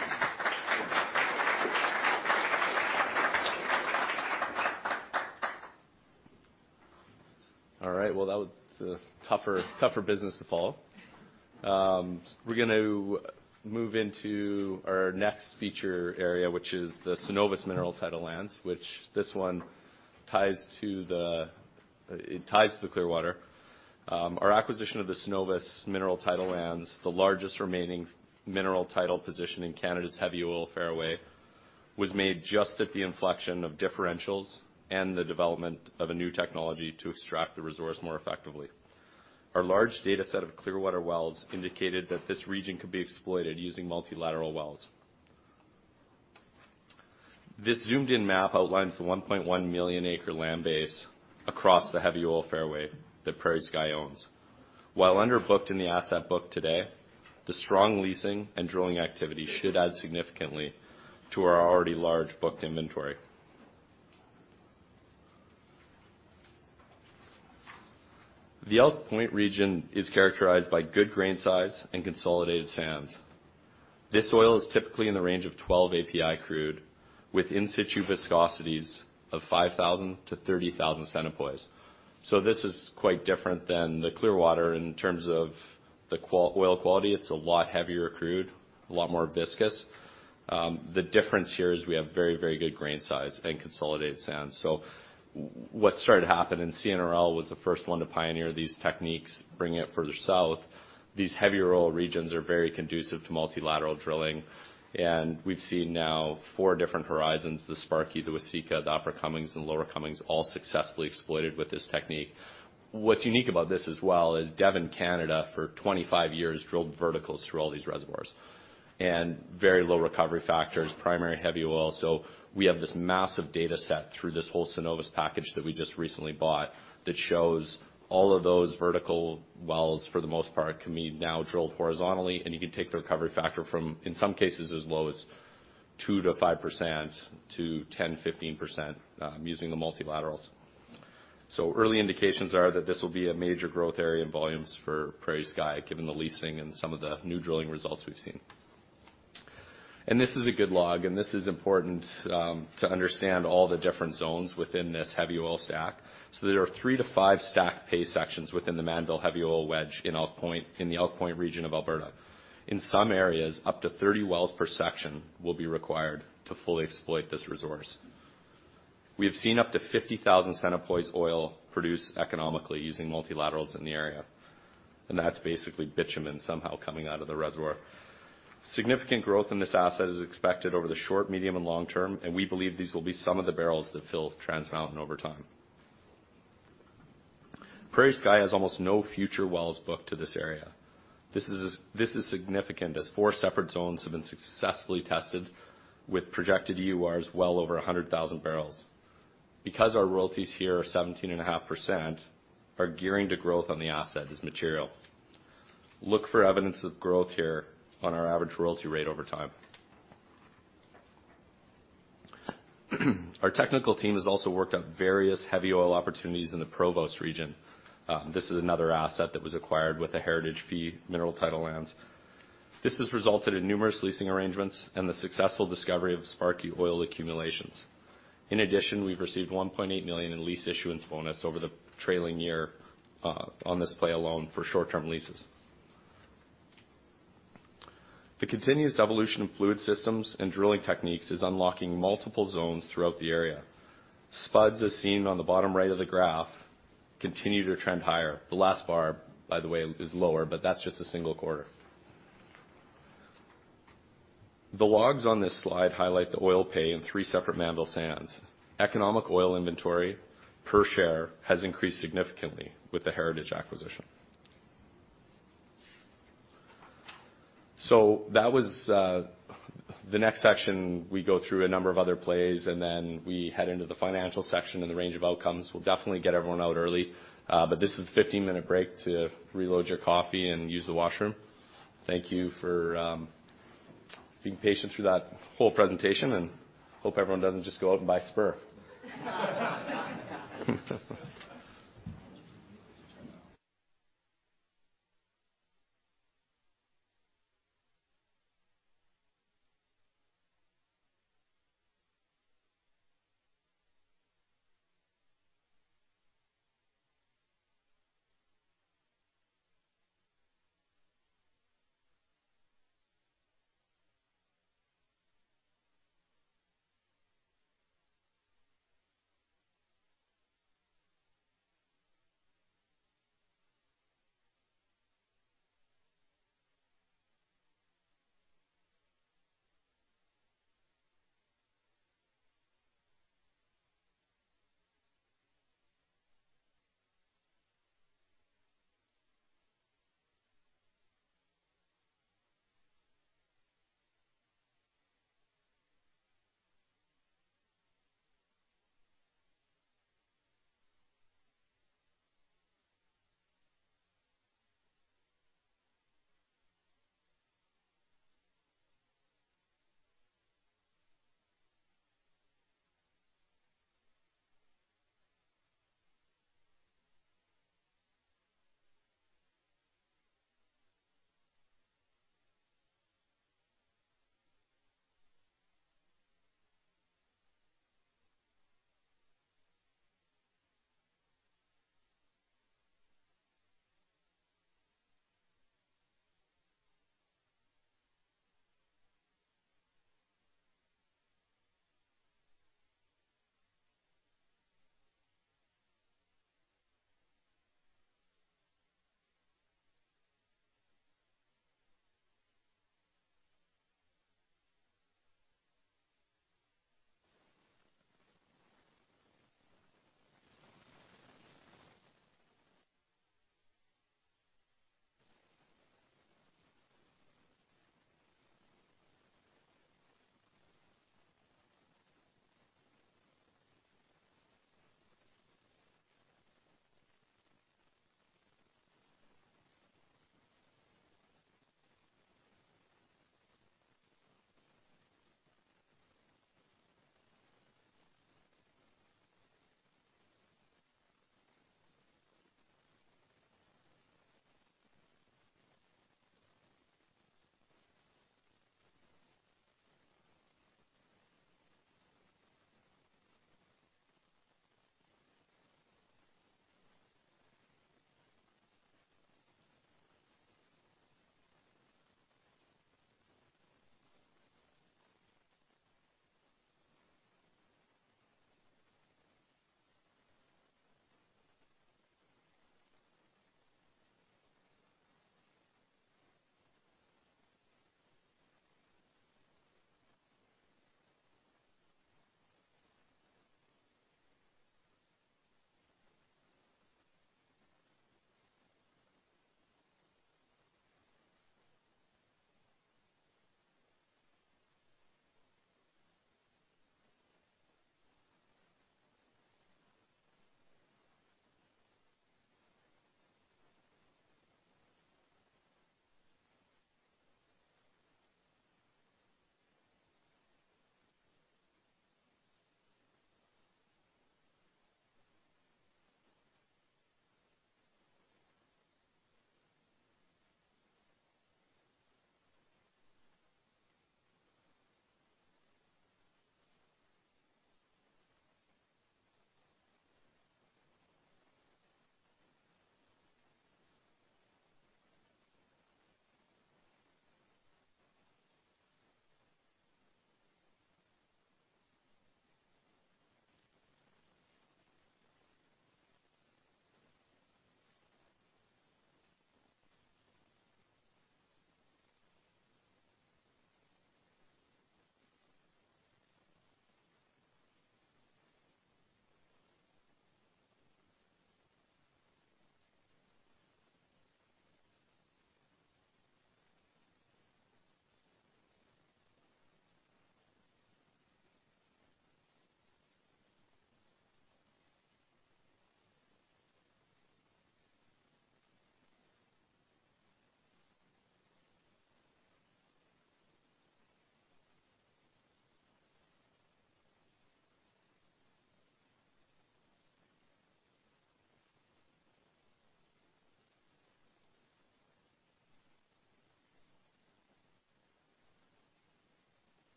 All right. That was a tougher business to follow. We're gonna move into our next feature area, which is the Cenovus mineral title lands. It ties to the Clearwater. Our acquisition of the Cenovus mineral title lands, the largest remaining mineral title position in Canada's heavy oil fairway, was made just at the inflection of differentials and the development of a new technology to extract the resource more effectively. Our large dataset of Clearwater wells indicated that this region could be exploited using multilateral wells. This zoomed-in map outlines the 1.1 million acre land base across the heavy oil fairway that PrairieSky owns. While underbooked in the asset book today, the strong leasing and drilling activity should add significantly to our already large booked inventory. The Elk Point region is characterized by good grain size and consolidated sands. This oil is typically in the range of 12 API crude with in-situ viscosities of 5,000 to 30,000 centipoise. This is quite different than the Clearwater in terms of the oil quality. It's a lot heavier crude, a lot more viscous. The difference here is we have very, very good grain size and consolidated sands. What started to happen, and CNRL was the first one to pioneer these techniques, bringing it further south, these heavier oil regions are very conducive to multilateral drilling. We've seen now 4 different horizons, the Sparky, the Waseca, the Upper Cummings, and Lower Cummings, all successfully exploited with this technique. What's unique about this as well is Devon Canada, for 25 years, drilled verticals through all these reservoirs. Very low recovery factors, primary heavy oil. We have this massive dataset through this whole Cenovus package that we just recently bought that shows all of those vertical wells, for the most part, can be now drilled horizontally, and you can take the recovery factor from, in some cases, as low as 2%-5% to 10%-15% using the multilaterals. Early indications are that this will be a major growth area in volumes for PrairieSky, given the leasing and some of the new drilling results we've seen. This is a good log, and this is important to understand all the different zones within this heavy oil stack. There are three to five stack pay sections within the Mannville Heavy Oil Wedge in Elk Point, in the Elk Point region of Alberta. In some areas, up to 30 wells per section will be required to fully exploit this resource. We have seen up to 50,000 centipoise oil produced economically using multilaterals in the area, and that's basically bitumen somehow coming out of the reservoir. Significant growth in this asset is expected over the short, medium, and long term, and we believe these will be some of the barrels that fill Trans Mountain over time. PrairieSky has almost no future wells booked to this area. This is significant as four separate zones have been successfully tested with projected EURs well over 100,000 barrels. Because our royalties here are 17.5%, our gearing to growth on the asset is material. Look for evidence of growth here on our average royalty rate over time. Our technical team has also worked on various heavy oil opportunities in the Provost region. This is another asset that was acquired with the Heritage fee mineral title lands. This has resulted in numerous leasing arrangements and the successful discovery of Sparky oil accumulations. In addition, we've received 1.8 million in lease issuance bonus over the trailing year on this play alone for short-term leases. The continuous evolution of fluid systems and drilling techniques is unlocking multiple zones throughout the area. Spuds, as seen on the bottom right of the graph, continue to trend higher. The last bar, by the way, is lower, but that's just a single quarter. The logs on this slide highlight the oil pay in three separate Mannville sands. Economic oil inventory per share has increased significantly with the Heritage acquisition. That was the next section. We go through a number of other plays, and then we head into the financial section and the range of outcomes. We'll definitely get everyone out early. This is a 15-minute break to reload your coffee and use the washroom. Thank you for being patient through that whole presentation, and hope everyone doesn't just go out and buy Spur.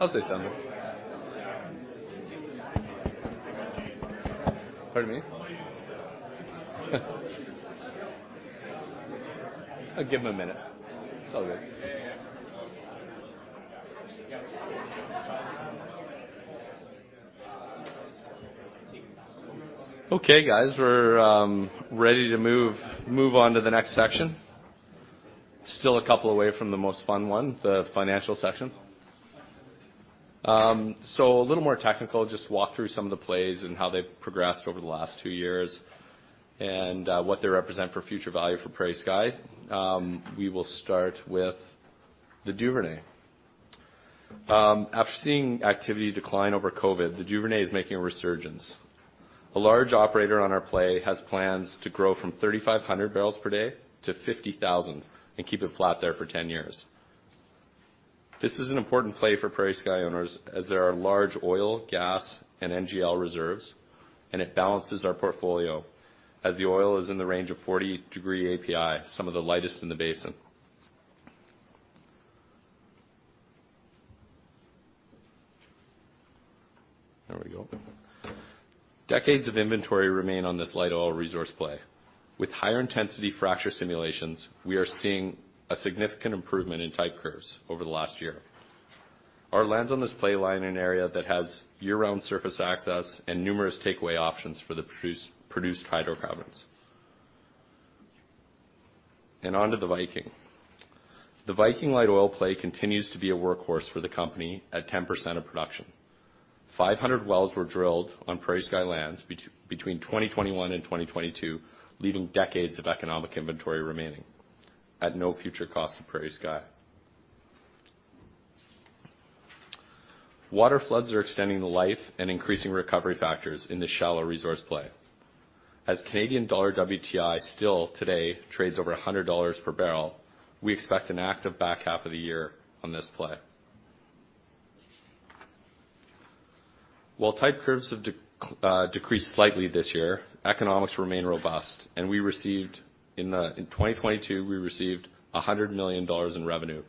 Have a good look. I'll say something. Pardon me? I'll give him a minute. It's all good. Okay, guys, we're ready to move on to the next section. Still a couple away from the most fun one, the financial section. A little more technical, just walk through some of the plays and how they've progressed over the last two years and what they represent for future value for PrairieSky. We will start with the Duvernay. After seeing activity decline over COVID, the Duvernay is making a resurgence. A large operator on our play has plans to grow from 3,500 barrels per day to 50,000 and keep it flat there for 10 years. This is an important play for PrairieSky owners as there are large oil, gas, and NGL reserves, and it balances our portfolio as the oil is in the range of 40 degree API, some of the lightest in the basin. There we go. Decades of inventory remain on this light oil resource play. With higher intensity fracture simulations, we are seeing a significant improvement in type curves over the last year. Our lands on this play line in an area that has year-round surface access and numerous takeaway options for the produced hydrocarbons. Onto the Viking. The Viking light oil play continues to be a workhorse for the company at 10% of production. 500 wells were drilled on PrairieSky lands between 2021 and 2022, leaving decades of economic inventory remaining at no future cost to PrairieSky. Waterfloods are extending the life and increasing recovery factors in this shallow resource play. As Canadian dollar WTI still today trades over 100 dollars per barrel, we expect an active back half of the year on this play. While type curves have decreased slightly this year, economics remain robust. In 2022, we received 100 million dollars in revenue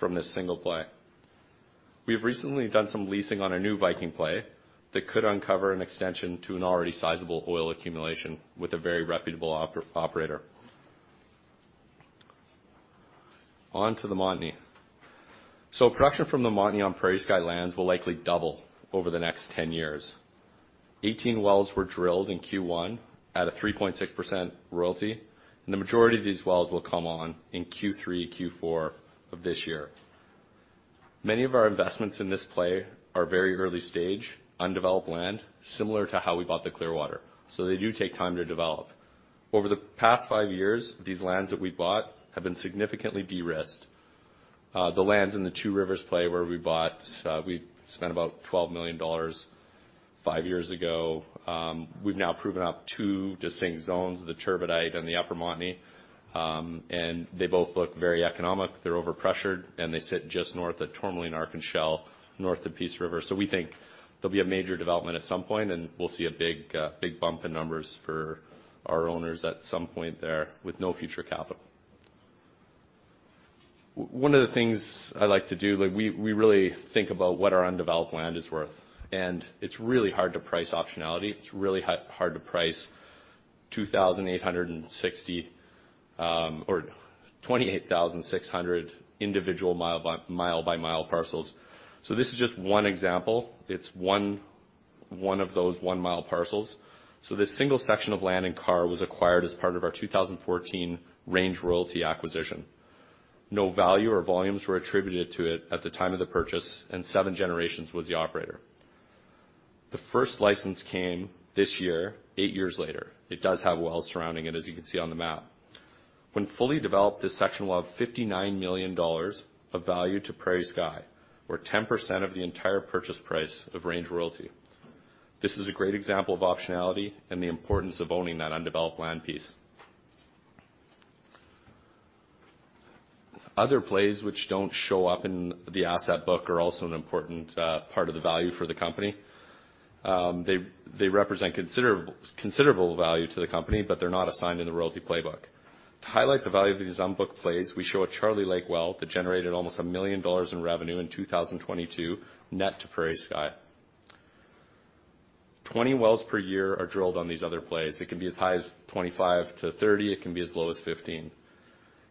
from this single play. We have recently done some leasing on a new Viking play that could uncover an extension to an already sizable oil accumulation with a very reputable operator. On to the Montney. Production from the Montney on PrairieSky lands will likely double over the next 10 years. 18 wells were drilled in Q1 at a 3.6% royalty. The majority of these wells will come on in Q3, Q4 of this year. Many of our investments in this play are very early stage, undeveloped land, similar to how we bought the Clearwater. They do take time to develop. Over the past five years, these lands that we bought have been significantly de-risked. The lands in the Two Rivers play where we bought, we spent about 12 million dollars five years ago. We've now proven up two distinct zones, the Turbidite and the Upper Montney, and they both look very economic. They're overpressured, and they sit just north of Tourmaline, ARC and Shell, north of Peace River. We think there'll be a major development at some point, and we'll see a big bump in numbers for our owners at some point there with no future capital. One of the things I like to do, like, we really think about what our undeveloped land is worth, and it's really hard to price optionality. It's really hard to price 2,860 or 28,600 individual mile by mile parcels. This is just one example. It's one of those 1 mi parcels. This single section of land in Carr was acquired as part of our 2014 Range Royalty acquisition. No value or volumes were attributed to it at the time of the purchase. Seven Generations was the operator. The first license came this year, eight years later. It does have wells surrounding it, as you can see on the map. When fully developed, this section will add 59 million dollars of value to PrairieSky or 10% of the entire purchase price of Range Royalty. This is a great example of optionality and the importance of owning that undeveloped land piece. Other plays which don't show up in the asset book are also an important part of the value for the company. They represent considerable value to the company, but they're not assigned in the royalty playbook. To highlight the value of these unbooked plays, we show a Charlie Lake well that generated almost 1 million dollars in revenue in 2022, net to PrairieSky. 20 wells per year are drilled on these other plays. It can be as high as 25-30, it can be as low as 15.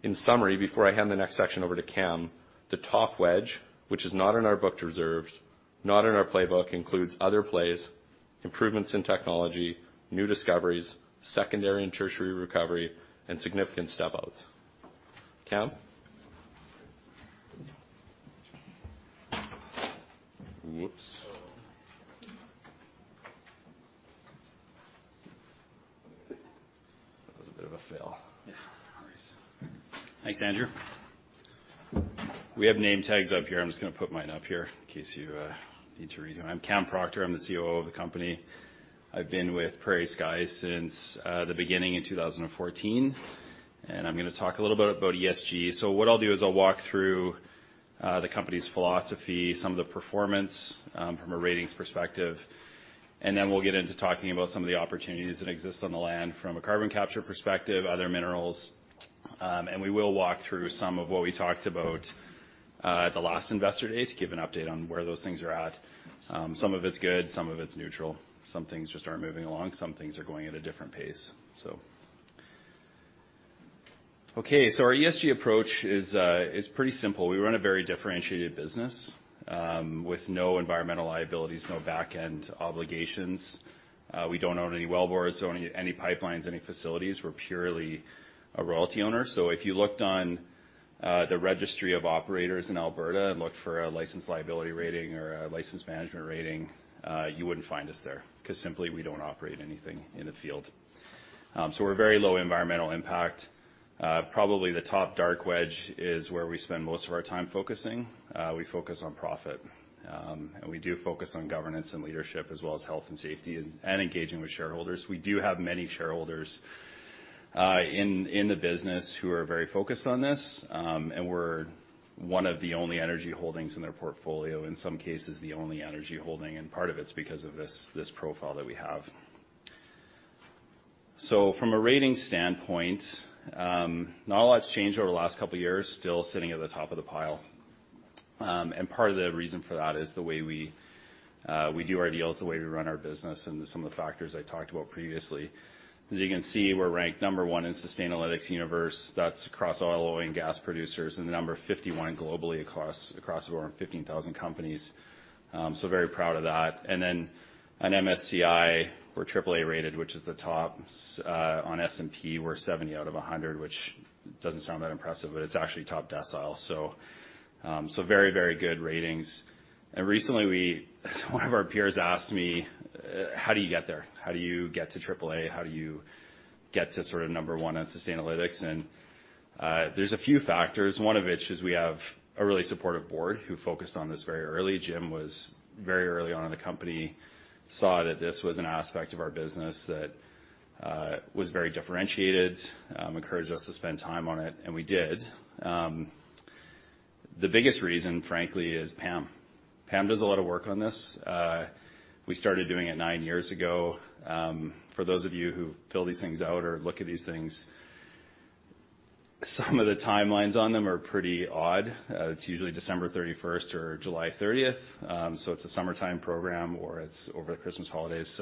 In summary, before I hand the next section over to Cam, the top wedge, which is not in our booked reserves, not in our playbook, includes other plays, improvements in technology, new discoveries, secondary and tertiary recovery, and significant step-outs. Cam? Whoops. That was a bit of a fail. Yeah. No worries. Thanks, Andrew. We have name tags up here. I'm just gonna put mine up here in case you need to read them. I'm Cam Proctor. I'm the COO of the company. I've been with PrairieSky since the beginning in 2014, and I'm gonna talk a little bit about ESG. What I'll do is I'll walk through. The company's philosophy, some of the performance, from a ratings perspective, and then we'll get into talking about some of the opportunities that exist on the land from a carbon capture perspective, other minerals. We will walk through some of what we talked about at the last Investor Day to give an update on where those things are at. Some of it's good, some of it's neutral. Some things just aren't moving along, some things are going at a different pace. Okay, our ESG approach is pretty simple. We run a very differentiated business with no environmental liabilities, no back-end obligations. We don't own any wellbores, don't own any pipelines, any facilities. We're purely a royalty owner. If you looked on the registry of operators in Alberta and looked for a license liability rating or a license management rating, you wouldn't find us there 'cause simply we don't operate anything in the field. We're very low environmental impact. Probably the top dark wedge is where we spend most of our time focusing. We focus on profit. We do focus on governance and leadership, as well as health and safety and engaging with shareholders. We do have many shareholders in the business who are very focused on this. We're one of the only energy holdings in their portfolio, in some cases, the only energy holding, and part of it's because of this profile that we have. From a ratings standpoint, not a lot's changed over the last two years. Still sitting at the top of the pile. Part of the reason for that is the way we do our deals, the way we run our business, and some of the factors I talked about previously. As you can see, we're ranked number one in Sustainalytics universe. That's across oil and gas producers, and number 51 globally across over 15,000 companies. Very proud of that. On MSCI, we're AAA rated, which is the top. On S&P, we're 70 out of 100, which doesn't sound that impressive, but it's actually top decile. Very, very good ratings. Recently, one of our peers asked me, "How do you get there? How do you get to AAA? How do you get to sort of number one on Sustainalytics? There's a few factors, one of which is we have a really supportive board who focused on this very early. Jim was very early on in the company, saw that this was an aspect of our business that was very differentiated, encouraged us to spend time on it, and we did. The biggest reason, frankly, is Pam. Pam does a lot of work on this. We started doing it nine years ago. For those of you who fill these things out or look at these things, some of the timelines on them are pretty odd. It's usually December 31st or July 30th. It's a summertime program or it's over the Christmas holidays.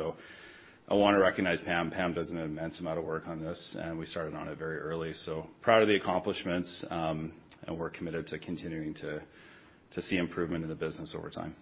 I wanna recognize Pam. Pam does an immense amount of work on this. We started on it very early. Proud of the accomplishments, and we're committed to continuing to see improvement in the business over time.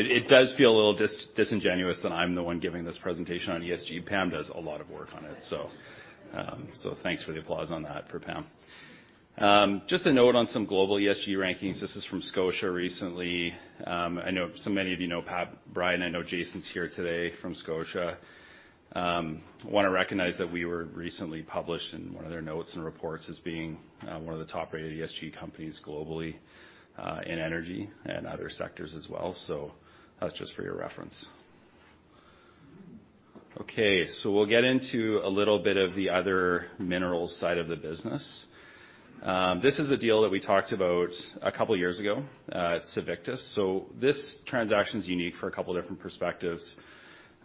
It does feel a little disingenuous that I'm the one giving this presentation on ESG. Pam does a lot of work on it. Thanks for the applause on that for Pam. Just a note on some global ESG rankings. This is from Scotia recently. I know so many of you know Pat Brian, I know Jason's here today from Scotia. Wanna recognize that we were recently published in one of their notes and reports as being one of the top-rated ESG companies globally in energy and other sectors as well. That's just for your reference. Okay, we'll get into a little bit of the other minerals side of the business. This is a deal that we talked about a couple years ago, Civitas Resources. This transaction's unique for a couple different perspectives.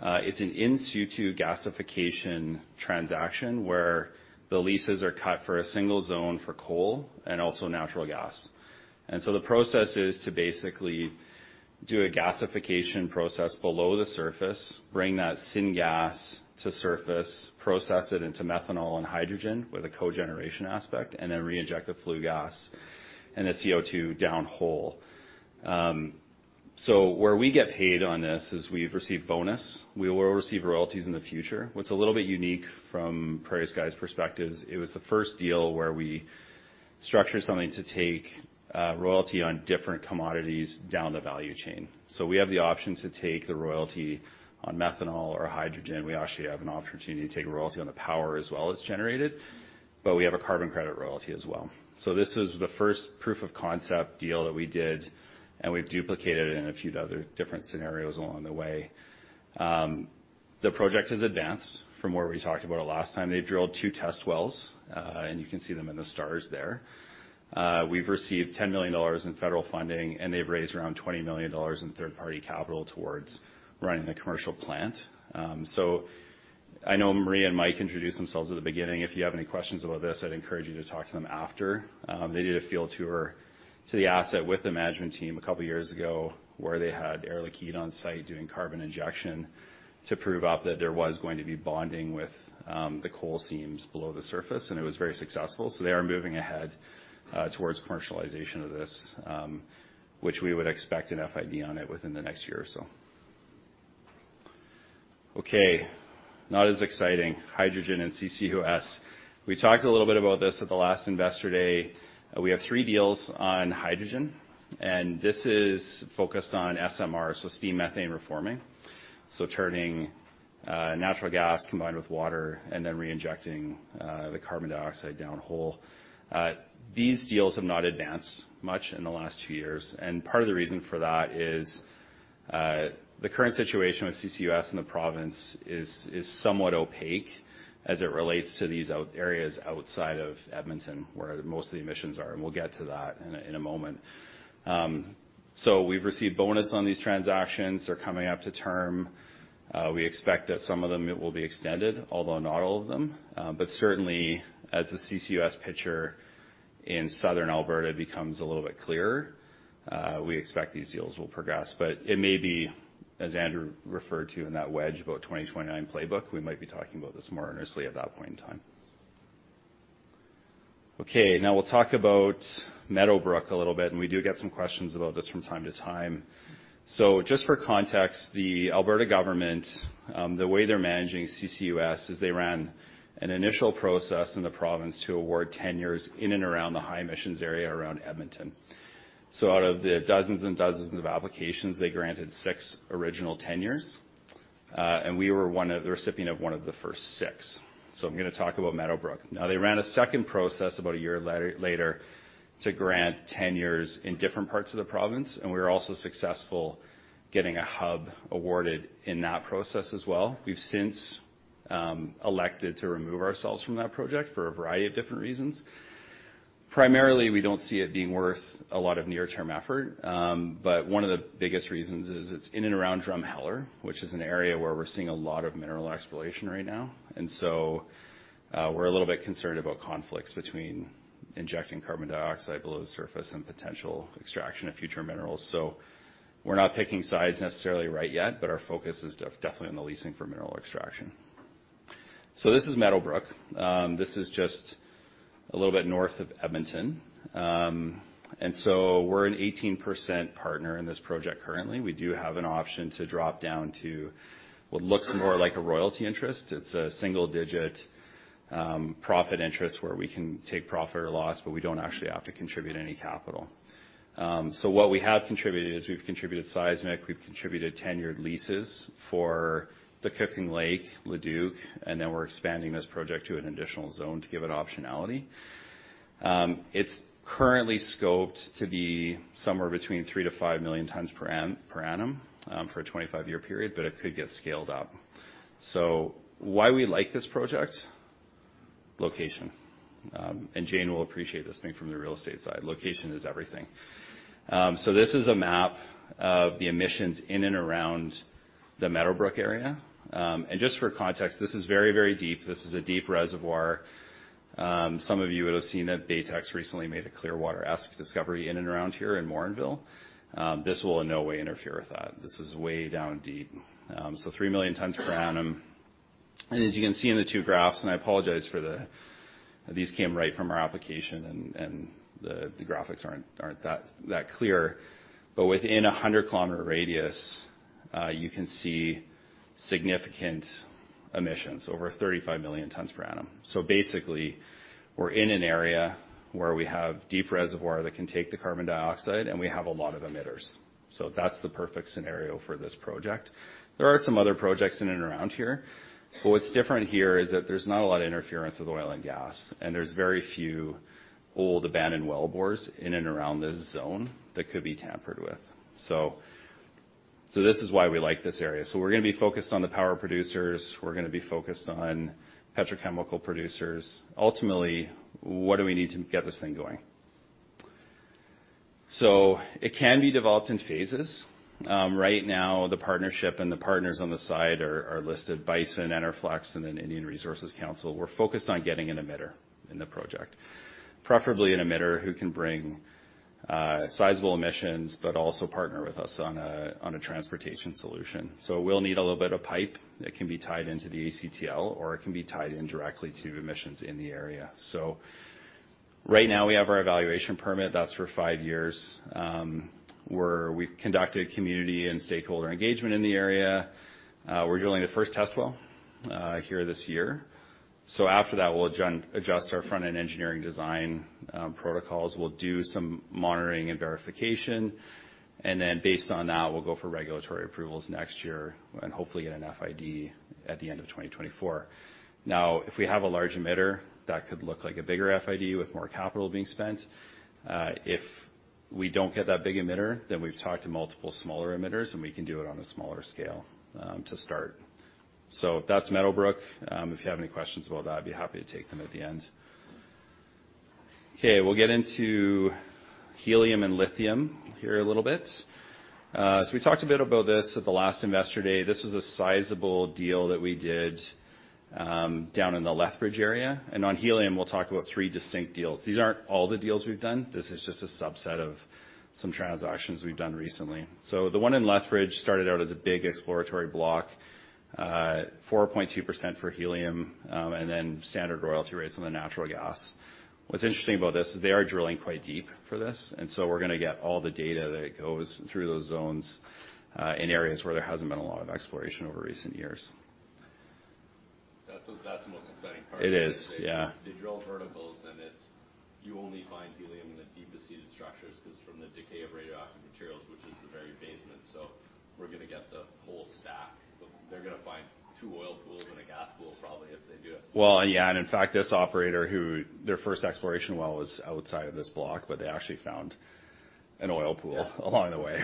It's an in situ gasification transaction where the leases are cut for a single zone for coal and also natural gas. The process is to basically do a gasification process below the surface, bring that syngas to surface, process it into methanol and hydrogen with a cogeneration aspect, and then reinject the flue gas and the CO2 downhole. Where we get paid on this is we've received bonus. We will receive royalties in the future. What's a little bit unique from PrairieSky's perspectives, it was the first deal where we structured something to take royalty on different commodities down the value chain. We have the option to take the royalty on methanol or hydrogen. We actually have an opportunity to take a royalty on the power as well it's generated, but we have a carbon credit royalty as well. This is the first proof of concept deal that we did, and we've duplicated it in a few other different scenarios along the way. The project has advanced from where we talked about it last time. They drilled two test wells, and you can see them in the stars there. We've received $10 million in federal funding, and they've raised around $20 million in third-party capital towards running the commercial plant. I know Maria and Mike introduced themselves at the beginning. If you have any questions about this, I'd encourage you to talk to them after. They did a field tour to the asset with the management team a couple of years ago, where they had Air Liquide on site doing carbon injection to prove out that there was going to be bonding with the coal seams below the surface, and it was very successful. They are moving ahead towards commercialization of this, which we would expect an FID on it within the next year or so. Not as exciting, hydrogen and CCUS. We talked a little bit about this at the last Investor Day. We have three deals on hydrogen, and this is focused on SMR, so steam methane reforming, so turning natural gas combined with water and then reinjecting the carbon dioxide downhole. These deals have not advanced much in the last few years, and part of the reason for that is the current situation with CCUS in the province is somewhat opaque as it relates to these areas outside of Edmonton where most of the emissions are, and we'll get to that in a moment. We've received bonus on these transactions. They're coming up to term. We expect that some of them will be extended, although not all of them. Certainly, as the CCUS picture in Southern Alberta becomes a little bit clearer, we expect these deals will progress. It may be, as Andrew referred to in that wedge, about 2029 playbook, we might be talking about this more earnestly at that point in time. Okay. We'll talk about Meadowbrook a little bit, and we do get some questions about this from time to time. Just for context, the Alberta government, the way they're managing CCUS is they ran an initial process in the province to award tenures in and around the high emissions area around Edmonton. Out of the dozens and dozens of applications, they granted 6 original tenures. And we were the recipient of one of the first 6. I'm gonna talk about Meadowbrook. They ran a second process about a year later to grant tenures in different parts of the province, and we were also successful getting a hub awarded in that process as well. We've since elected to remove ourselves from that project for a variety of different reasons. Primarily, we don't see it being worth a lot of near-term effort, but one of the biggest reasons is it's in and around Drumheller, which is an area where we're seeing a lot of mineral exploration right now. We're a little bit concerned about conflicts between injecting carbon dioxide below the surface and potential extraction of future minerals. We're not picking sides necessarily right yet, but our focus is definitely on the leasing for mineral extraction. This is Meadowbrook. This is just a little bit north of Edmonton. And so we're an 18% partner in this project currently. We do have an option to drop down to what looks more like a royalty interest. It's a single digit profit interest where we can take profit or loss, but we don't actually have to contribute any capital. What we have contributed is we've contributed seismic, we've contributed tenured leases for the Cooking Lake, Leduc, and then we're expanding this project to an additional zone to give it optionality. It's currently scoped to be somewhere between 3 to 5 million tons per annum for a 25-year period, but it could get scaled up. Why we like this project? Location. Jane will appreciate this being from the real estate side. Location is everything. This is a map of the emissions in and around the Meadowbrook area. Just for context, this is very, very deep. This is a deep reservoir. Some of you would have seen that Baytex recently made a Clearwater-esque discovery in and around here in Morinville. This will in no way interfere with that. This is way down deep. 3 million tons per annum. As you can see in the two graphs, I apologize for the. These came right from our application and the graphics aren't that clear. Within a 100 kilometer radius, you can see significant emissions, over 35 million tons per annum. Basically, we're in an area where we have deep reservoir that can take the carbon dioxide, and we have a lot of emitters. That's the perfect scenario for this project. There are some other projects in and around here, but what's different here is that there's not a lot of interference with oil and gas, and there's very few old abandoned wellbores in and around this zone that could be tampered with. This is why we like this area. We're gonna be focused on the power producers. We're gonna be focused on petrochemical producers. Ultimately, what do we need to get this thing going? It can be developed in phases. Right now, the partnership and the partners on the side are listed, Bison, Enerflex, and Indian Resource Council. We're focused on getting an emitter in the project. Preferably an emitter who can bring sizable emissions, but also partner with us on a transportation solution. We'll need a little bit of pipe that can be tied into the ACTL, or it can be tied in directly to emissions in the area. Right now we have our evaluation permit. That's for 5 years. We've conducted community and stakeholder engagement in the area. We're drilling the first test well here this year. After that, we'll adjust our front-end engineering design protocols. We'll do some monitoring and verification. Based on that, we'll go for regulatory approvals next year and hopefully get an FID at the end of 2024. If we have a large emitter, that could look like a bigger FID with more capital being spent. If we don't get that big emitter, then we've talked to multiple smaller emitters, and we can do it on a smaller scale to start. That's Meadowbrook. If you have any questions about that, I'd be happy to take them at the end. We'll get into helium and lithium here a little bit. So we talked a bit about this at the last Investor Day. This was a sizable deal that we did down in the Lethbridge area. On helium, we'll talk about three distinct deals. These aren't all the deals we've done. This is just a subset of some transactions we've done recently. The one in Lethbridge started out as a big exploratory block, 4.2% for helium, and then standard royalty rates on the natural gas. What's interesting about this is they are drilling quite deep for this, and so we're gonna get all the data that goes through those zones in areas where there hasn't been a lot of exploration over recent years. That's the most exciting part. It is, yeah. They drill verticals. You only find helium in the deep-seated structures 'cause from the decay of radioactive materials, which is the very basement. We're gonna get the whole stack. They're gonna find two oil pools and a gas pool probably if they do it. Well, yeah. In fact, this operator who their first exploration well was outside of this block, but they actually found an oil pool along the way.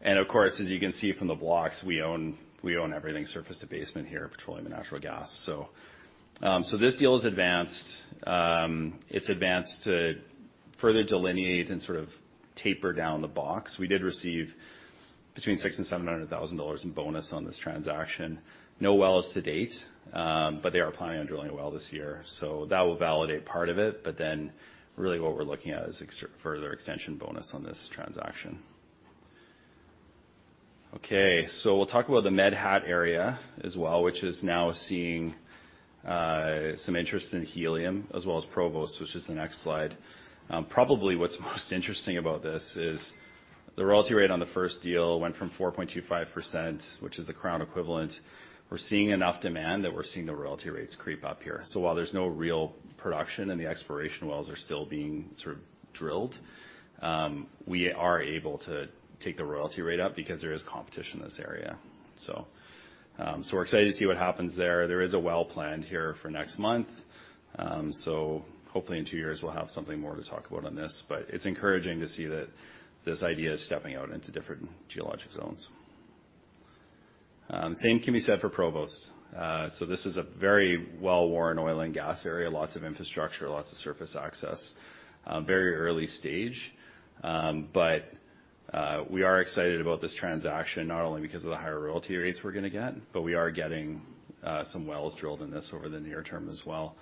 And of course, as you can see from the blocks we own, we own everything surface to basement here, petroleum and natural gas. This deal is advanced. It's advanced to further delineate and sort of taper down the box. We did receive between $600,000 and $700,000 in bonus on this transaction. No wells to date, but they are planning on drilling a well this year. That will validate part of it, but then really what we're looking at is further extension bonus on this transaction. We'll talk about the Med Hat area as well, which is now seeing some interest in helium as well as Provost, which is the next slide. Probably what's most interesting about this is the royalty rate on the first deal went from 4.25%, which is the Crown equivalent. We're seeing enough demand that we're seeing the royalty rates creep up here. While there's no real production and the exploration wells are still being sort of drilled, we are able to take the royalty rate up because there is competition in this area. We're excited to see what happens there. There is a well plan here for next month. Hopefully in two years we'll have something more to talk about on this. It's encouraging to see that this idea is stepping out into different geologic zones. Same can be said for Provost. This is a very well-worn oil and gas area, lots of infrastructure, lots of surface access, very early stage. We are excited about this transaction, not only because of the higher royalty rates we're gonna get, but we are getting some wells drilled in this over the near term as well.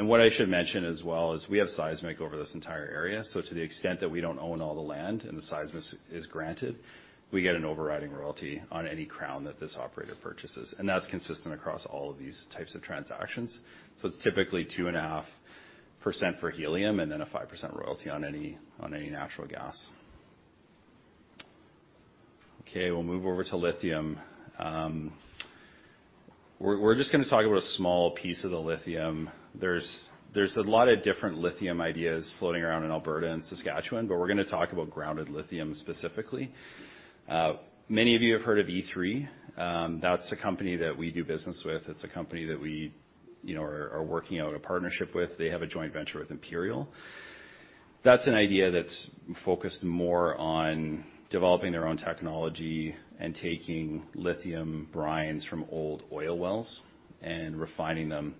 What I should mention as well is we have seismic over this entire area. To the extent that we don't own all the land and the seismic is granted, we get an overriding royalty on any Crown that this operator purchases. That's consistent across all of these types of transactions. It's typically 2.5% for helium, and then a 5% royalty on any natural gas. We'll move over to lithium. We're just gonna talk about a small piece of the lithium. There's a lot of different lithium ideas floating around in Alberta and Saskatchewan, but we're gonna talk about Grounded Lithium specifically. Many of you have heard of E3. That's a company that we do business with. It's a company that we, you know, are working out a partnership with. They have a joint venture with Imperial. That's an idea that's focused more on developing their own technology and taking lithium brines from old oil wells and refining them.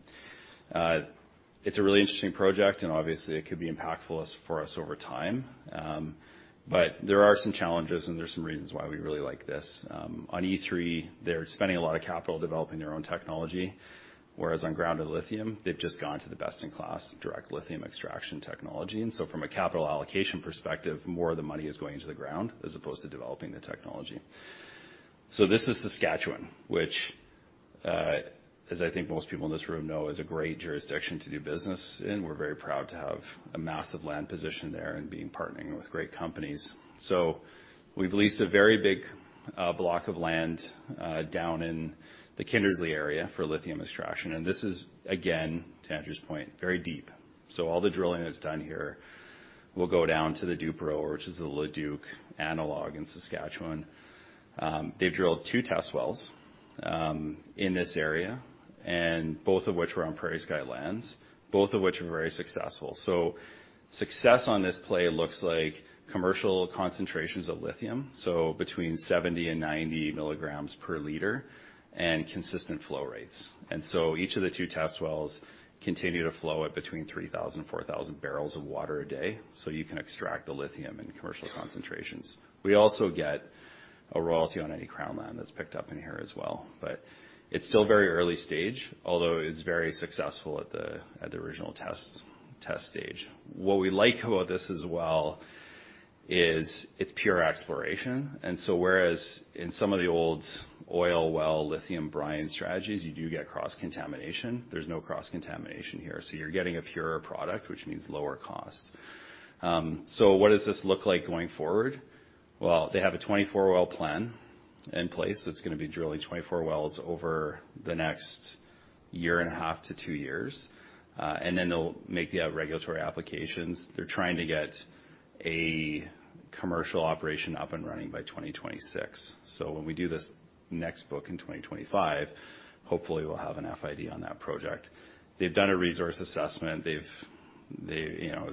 It's a really interesting project, and obviously, it could be impactful for us over time. But there are some challenges, and there's some reasons why we really like this. On E3, they're spending a lot of capital developing their own technology, whereas on Grounded Lithium, they've just gone to the best-in-class direct lithium extraction technology. From a capital allocation perspective, more of the money is going into the ground as opposed to developing the technology. This is Saskatchewan, which, as I think most people in this room know, is a great jurisdiction to do business in. We're very proud to have a massive land position there and being partnering with great companies. We've leased a very big block of land down in the Kindersley area for lithium extraction, and this is, again, to Andrew's point, very deep. All the drilling that's done here will go down to the Duperow, which is the Leduc analog in Saskatchewan. They've drilled two test wells in this area, and both of which were on PrairieSky lands, both of which were very successful. Success on this play looks like commercial concentrations of lithium, so between 70 and 90 milligrams per liter and consistent flow rates. Each of the two test wells continue to flow at between 3,000, 4,000 barrels of water a day, so you can extract the lithium in commercial concentrations. We also get a royalty on any crown land that's picked up in here as well. It's still very early stage, although it's very successful at the original test stage. What we like about this as well is it's pure exploration, and so whereas in some of the old oil well lithium brine strategies, you do get cross-contamination. There's no cross-contamination here, so you're getting a purer product, which means lower cost. What does this look like going forward? Well, they have a 24 well plan in place that's gonna be drilling 24 wells over the next year and a half to two years. Then they'll make the regulatory applications. They're trying to get a commercial operation up and running by 2026. When we do this next book in 2025, hopefully we'll have an FID on that project. They've done a resource assessment. You know,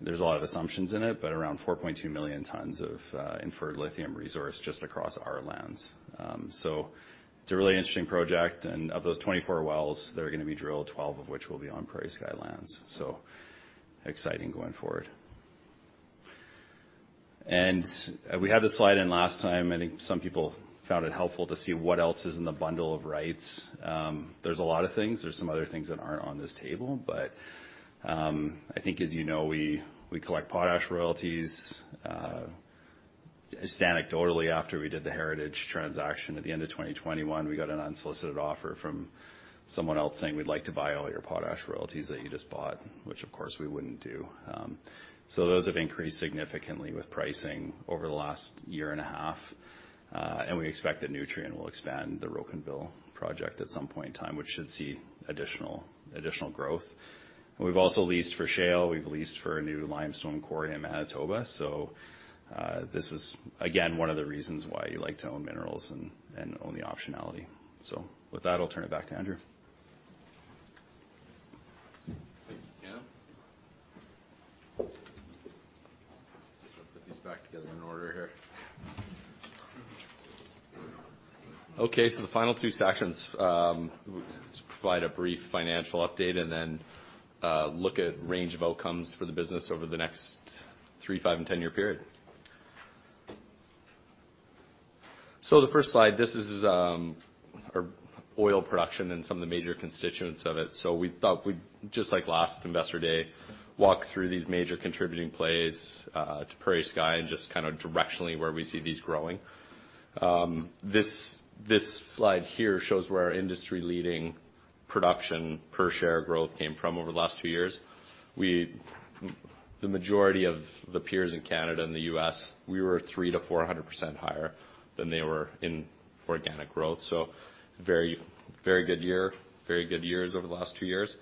there's a lot of assumptions in it, but around 4.2 million tons of inferred lithium resource just across our lands. It's a really interesting project, of those 24 wells that are gonna be drilled, 12 of which will be on PrairieSky lands. Exciting going forward. We had this slide in last time, and I think some people found it helpful to see what else is in the bundle of rights. There's a lot of things. There's some other things that aren't on this table. I think as you know, we collect potash royalties. Just anecdotally, after we did the Heritage transaction at the end of 2021, we got an unsolicited offer from someone else saying, "We'd like to buy all your potash royalties that you just bought," which of course, we wouldn't do. Those have increased significantly with pricing over the last year and a half, and we expect that Nutrien will expand the Rocanville project at some point in time, which should see additional growth. We've also leased for shale. We've leased for a new limestone quarry in Manitoba. This is again, one of the reasons why you like to own minerals and own the optionality. With that, I'll turn it back to Andrew. Thank you, Cam. Let's see if I can put these back together in order here. The final two sections, is to provide a brief financial update and then, look at range of outcomes for the business over the next three, five, and 10-year period. The first slide, this is, our oil production and some of the major constituents of it. We thought we'd, just like last investor day, walk through these major contributing plays, to PrairieSky and just kinda directionally where we see these growing. This slide here shows where our industry-leading production per share growth came from over the last two years. We... The majority of the peers in Canada and the U.S., we were 300%-400% higher than they were in organic growth, very, very good year, very good years over the last 2 years.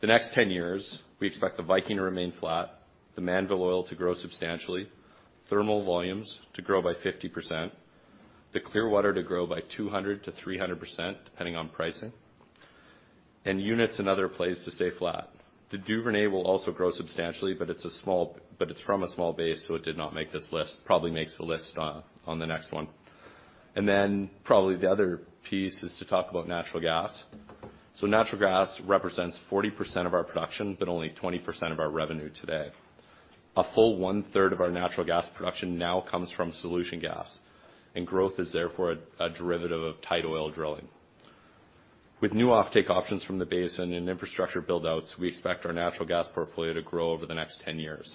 The next 10 years, we expect the Viking to remain flat, the Mannville oil to grow substantially, thermal volumes to grow by 50%, the Clearwater to grow by 200%-300%, depending on pricing, and units and other plays to stay flat. The Duvernay will also grow substantially, it's from a small base, it did not make this list. Probably makes the list on the next one. Probably the other piece is to talk about natural gas. Natural gas represents 40% of our production, but only 20% of our revenue today. A full one-third of our natural gas production now comes from solution gas, and growth is therefore a derivative of tight oil drilling. With new offtake options from the basin and infrastructure buildouts, we expect our natural gas portfolio to grow over the next 10 years.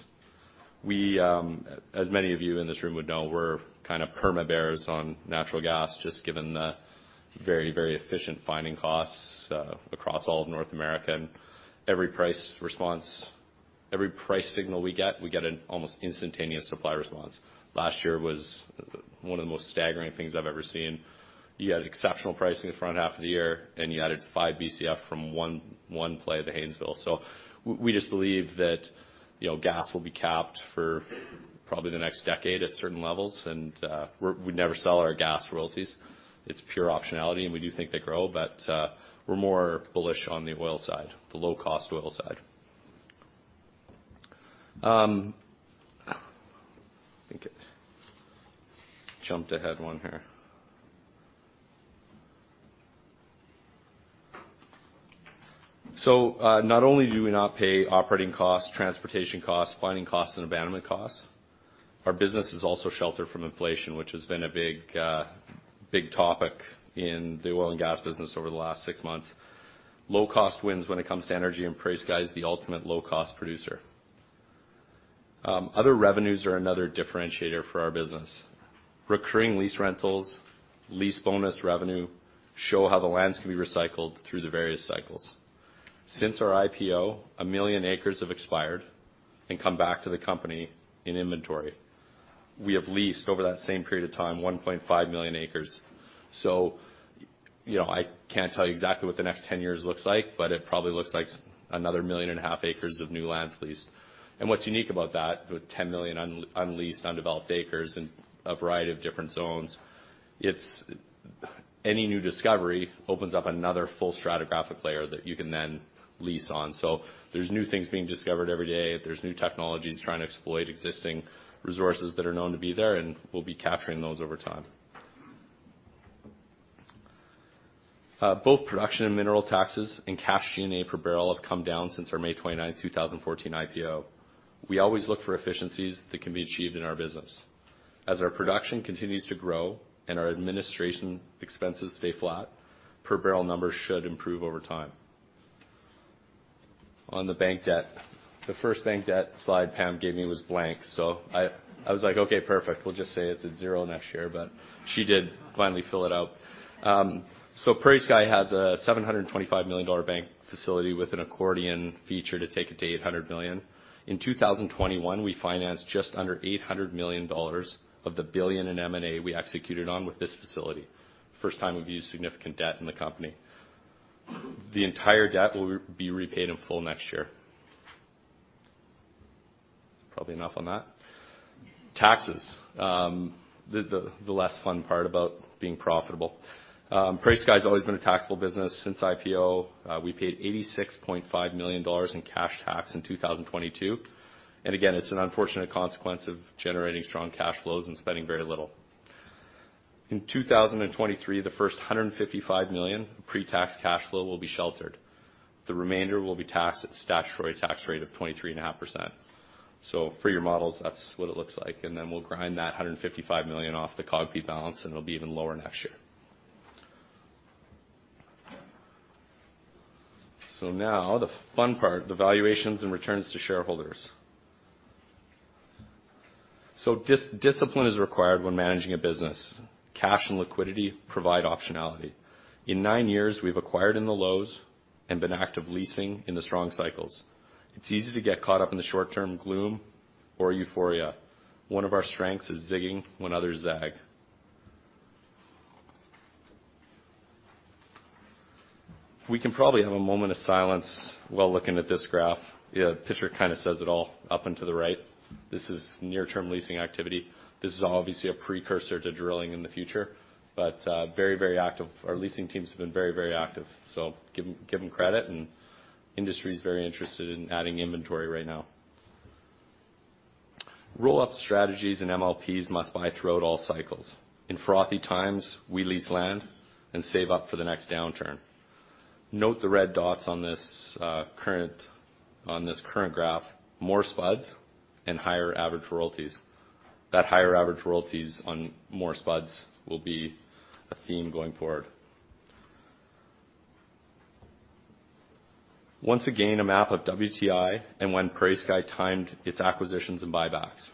We, as many of you in this room would know, we're kind of perma bears on natural gas, just given the very, very efficient finding costs across all of North America. Every price response, every price signal we get, we get an almost instantaneous supply response. Last year was one of the most staggering things I've ever seen. You had exceptional pricing the front half of the year, and you added 5 Bcf from one play at the Haynesville. We just believe that, you know, gas will be capped for probably the next decade at certain levels and we never sell our gas royalties. It's pure optionality, and we do think they grow, but we're more bullish on the oil side, the low-cost oil side. I think it jumped ahead one here. Not only do we not pay operating costs, transportation costs, finding costs, and abandonment costs, our business is also sheltered from inflation, which has been a big topic in the oil and gas business over the last six months. Low cost wins when it comes to energy, and PrairieSky's the ultimate low-cost producer. Other revenues are another differentiator for our business. Recurring lease rentals, lease bonus revenue show how the lands can be recycled through the various cycles. Since our IPO, 1 million acres have expired and come back to the company in inventory. We have leased, over that same period of time, 1.5 million acres. You know, I can't tell you exactly what the next 10 years looks like, but it probably looks like another 1.5 million acres of new lands leased. What's unique about that, with 10 million unleased, undeveloped acres in a variety of different zones, it's. Any new discovery opens up another full stratigraphic layer that you can then lease on. There's new things being discovered every day. There's new technologies trying to exploit existing resources that are known to be there, and we'll be capturing those over time. Both production and mineral taxes and cash G&A per barrel have come down since our May 29, 2014 IPO. We always look for efficiencies that can be achieved in our business. As our production continues to grow and our administration expenses stay flat, per barrel numbers should improve over time. On the bank debt, the first bank debt slide Pam gave me was blank, I was like, "Okay, perfect. We'll just say it's at 0 next year." She did finally fill it out. PrairieSky has a 725 million dollar bank facility with an accordion feature to take it to 800 million. In 2021, we financed just under 800 million dollars of the 1 billion in M&A we executed on with this facility. First time we've used significant debt in the company. The entire debt will be repaid in full next year. Probably enough on that. Taxes, the less fun part about being profitable. PrairieSky's always been a taxable business since IPO. We paid 86.5 million dollars in cash tax in 2022. Again, it's an unfortunate consequence of generating strong cash flows and spending very little. In 2023, the first 155 million pre-tax cash flow will be sheltered. The remainder will be taxed at the statutory tax rate of 23.5%. For your models, that's what it looks like, and then we'll grind that 155 million off the COGP balance, and it'll be even lower next year. Now the fun part, the valuations and returns to shareholders. Discipline is required when managing a business. Cash and liquidity provide optionality. In nine years, we've acquired in the lows and been active leasing in the strong cycles. It's easy to get caught up in the short-term gloom or euphoria. One of our strengths is zigging when others zag. We can probably have a moment of silence while looking at this graph. The picture kind of says it all up and to the right. This is near-term leasing activity. This is obviously a precursor to drilling in the future, but very, very active. Our leasing teams have been very, very active. Give them credit, and industry is very interested in adding inventory right now. Roll-up strategies and MLPs must buy throughout all cycles. In frothy times, we lease land and save up for the next downturn. Note the red dots on this current graph, more spuds and higher average royalties. That higher average royalties on more spuds will be a theme going forward. Once again, a map of WTI and when PrairieSky timed its acquisitions and buybacks.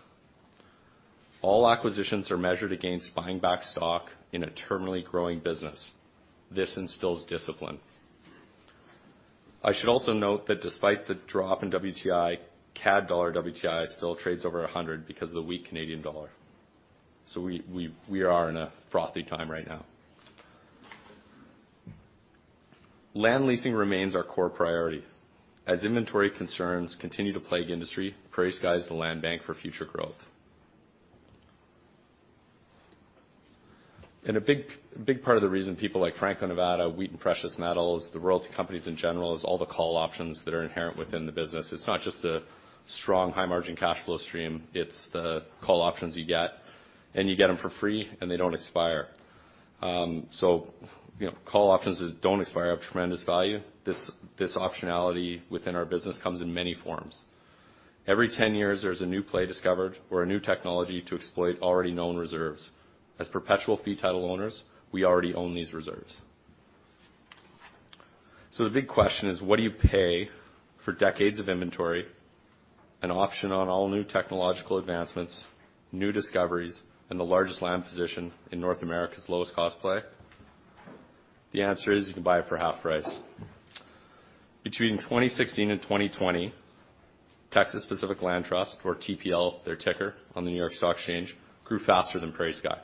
All acquisitions are measured against buying back stock in a terminally growing business. This instills discipline. I should also note that despite the drop in WTI, CAD dollar WTI still trades over 100 because of the weak Canadian dollar. We are in a frothy time right now. Land leasing remains our core priority. As inventory concerns continue to plague industry, PrairieSky is the land bank for future growth. A big part of the reason people like Franco-Nevada, Wheaton Precious Metals, the royalty companies in general, is all the call options that are inherent within the business. It's not just the strong high-margin cash flow stream, it's the call options you get, and you get them for free, and they don't expire. You know, call options that don't expire have tremendous value. This optionality within our business comes in many forms. Every 10 years, there's a new play discovered or a new technology to exploit already known reserves. As perpetual fee title owners, we already own these reserves. The big question is, what do you pay for decades of inventory, an option on all new technological advancements, new discoveries, and the largest land position in North America's lowest cost play? The answer is you can buy it for half price. Between 2016 and 2020, Texas Pacific Land Corporation, or TPL, their ticker on the New York Stock Exchange, grew faster than PrairieSky.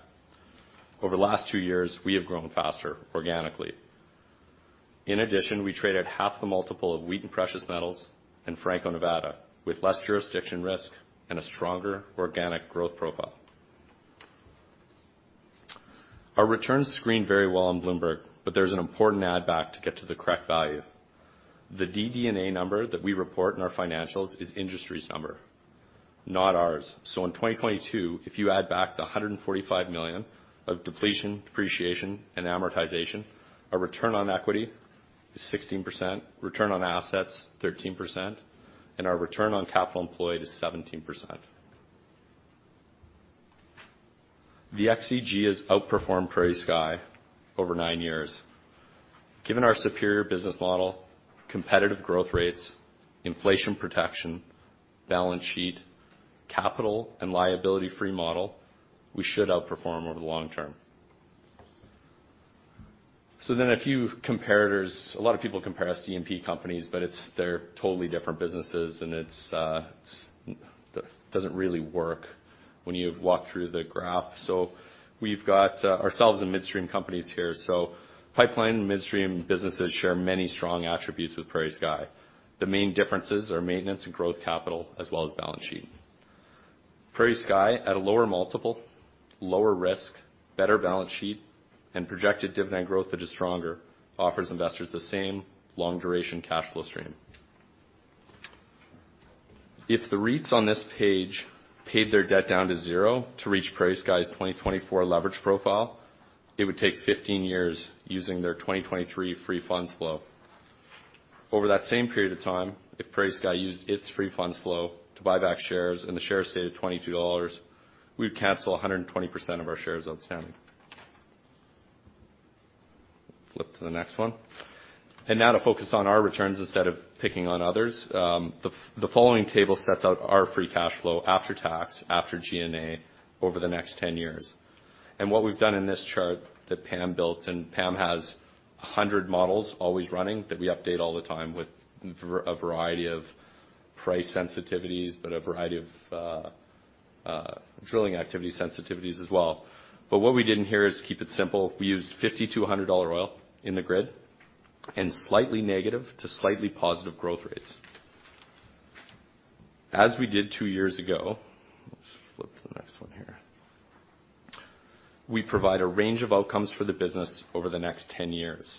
Over the last two years, we have grown faster organically. In addition, we traded half the multiple of Wheaton Precious Metals and Franco-Nevada with less jurisdiction risk and a stronger organic growth profile. Our returns screen very well on Bloomberg, there's an important add back to get to the correct value. The DD&A number that we report in our financials is industry's number, not ours. In 2022, if you add back the 145 million of depletion, depreciation, and amortization, our return on equity is 16%, return on assets, 13%, and our return on capital employed is 17%. The XEG has outperformed PrairieSky over 9 years. Given our superior business model, competitive growth rates, inflation protection, balance sheet, capital and liability-free model, we should outperform over the long term. A few comparators. A lot of people compare us to E&P companies, they're totally different businesses, and it doesn't really work when you walk through the graph. We've got ourselves and midstream companies here. Pipeline and midstream businesses share many strong attributes with PrairieSky. The main differences are maintenance and growth capital, as well as balance sheet. PrairieSky, at a lower multiple, lower risk, better balance sheet, and projected dividend growth that is stronger, offers investors the same long-duration cash flow stream. If the REITs on this page paid their debt down to zero to reach PrairieSky's 2024 leverage profile, it would take 15 years using their 2023 free funds flow. Over that same period of time, if PrairieSky used its free funds flow to buy back shares and the shares stayed at 22 dollars, we'd cancel 120% of our shares outstanding. Flip to the next 1. Now to focus on our returns instead of picking on others. The following table sets out our free cash flow after tax, after G&A over the next 10 years. What we've done in this chart that Pam built, and Pam has 100 models always running that we update all the time with a variety of price sensitivities, but a variety of drilling activity sensitivities as well. What we did in here is keep it simple. We used $5,200 oil in the grid and slightly negative to slightly positive growth rates. As we did two years ago. Let's flip to the next one here. We provide a range of outcomes for the business over the next 10 years.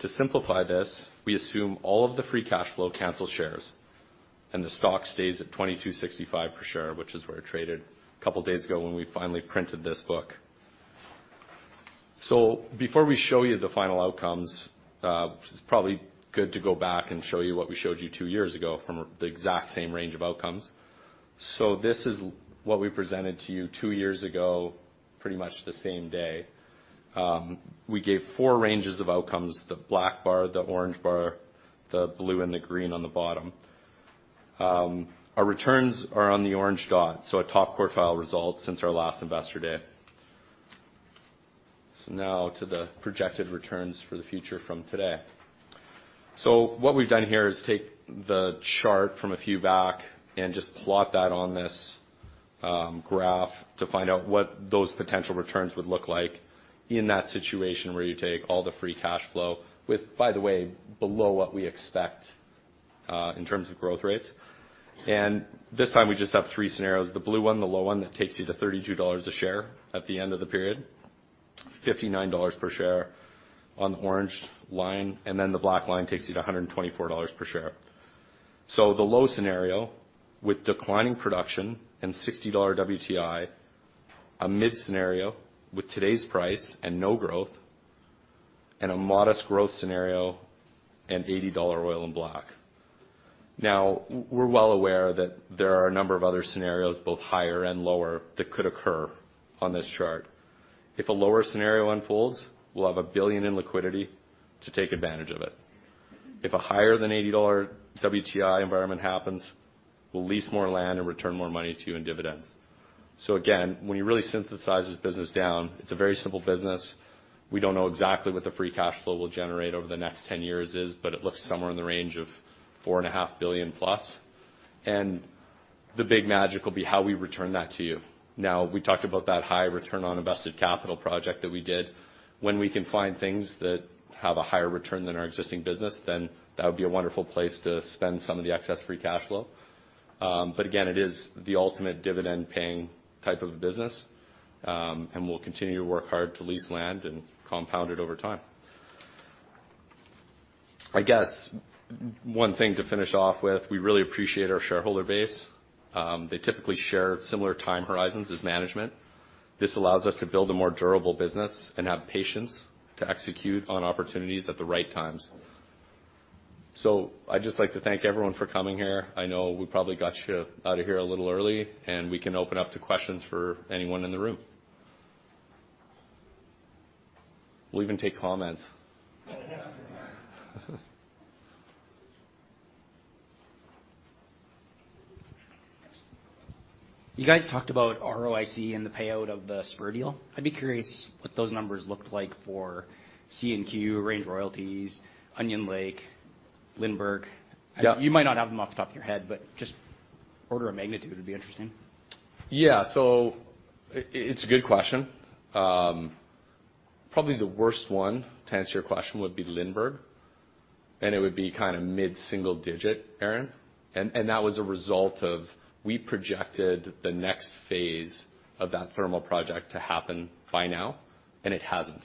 To simplify this, we assume all of the free cash flow cancel shares, and the stock stays at 22.65 per share, which is where it traded a couple days ago when we finally printed this book. Before we show you the final outcomes, it's probably good to go back and show you what we showed you two years ago from the exact same range of outcomes. This is what we presented to you two years ago, pretty much the same day. We gave four ranges of outcomes, the black bar, the orange bar, the blue and the green on the bottom. Our returns are on the orange dot, so a top quartile result since our last Investor Day. Now to the projected returns for the future from today. What we've done here is take the chart from a few back and just plot that on this graph to find out what those potential returns would look like in that situation where you take all the free cash flow with, by the way, below what we expect in terms of growth rates. This time, we just have three scenarios. The blue one, the low one that takes you to $32 a share at the end of the period. $59 per share on the orange line. The black line takes you to $124 per share. The low scenario with declining production and $60 WTI, a mid scenario with today's price and no growth, and a modest growth scenario and $80 oil in block. We're well aware that there are a number of other scenarios, both higher and lower, that could occur on this chart. If a lower scenario unfolds, we'll have a 1 billion in liquidity to take advantage of it. If a higher than $80 WTI environment happens, we'll lease more land and return more money to you in dividends. Again, when you really synthesize this business down, it's a very simple business. We don't know exactly what the free cash flow will generate over the next 10 years is, but it looks somewhere in the range of 4.5 billion plus. The big magic will be how we return that to you. We talked about that high return on invested capital project that we did. We can find things that have a higher return than our existing business, then that would be a wonderful place to spend some of the excess free cash flow. Again, it is the ultimate dividend-paying type of a business. We'll continue to work hard to lease land and compound it over time. I guess one thing to finish off with, we really appreciate our shareholder base. They typically share similar time horizons as management. This allows us to build a more durable business and have patience to execute on opportunities at the right times. I'd just like to thank everyone for coming here. I know we probably got you out of here a little early. We can open up to questions for anyone in the room. We'll even take comments. You guys talked about ROIC and the payout of the Spur deal. I'd be curious what those numbers looked like for CNQ, Range Royalties, Onion Lake, Lindbergh. Yeah. You might not have them off the top of your head, but just order of magnitude would be interesting. Yeah. It's a good question. Probably the worst one, to answer your question, would be Lindbergh, and it would be kinda mid-single digit, Aaron. That was a result of we projected the next phase of that thermal project to happen by now, and it hasn't.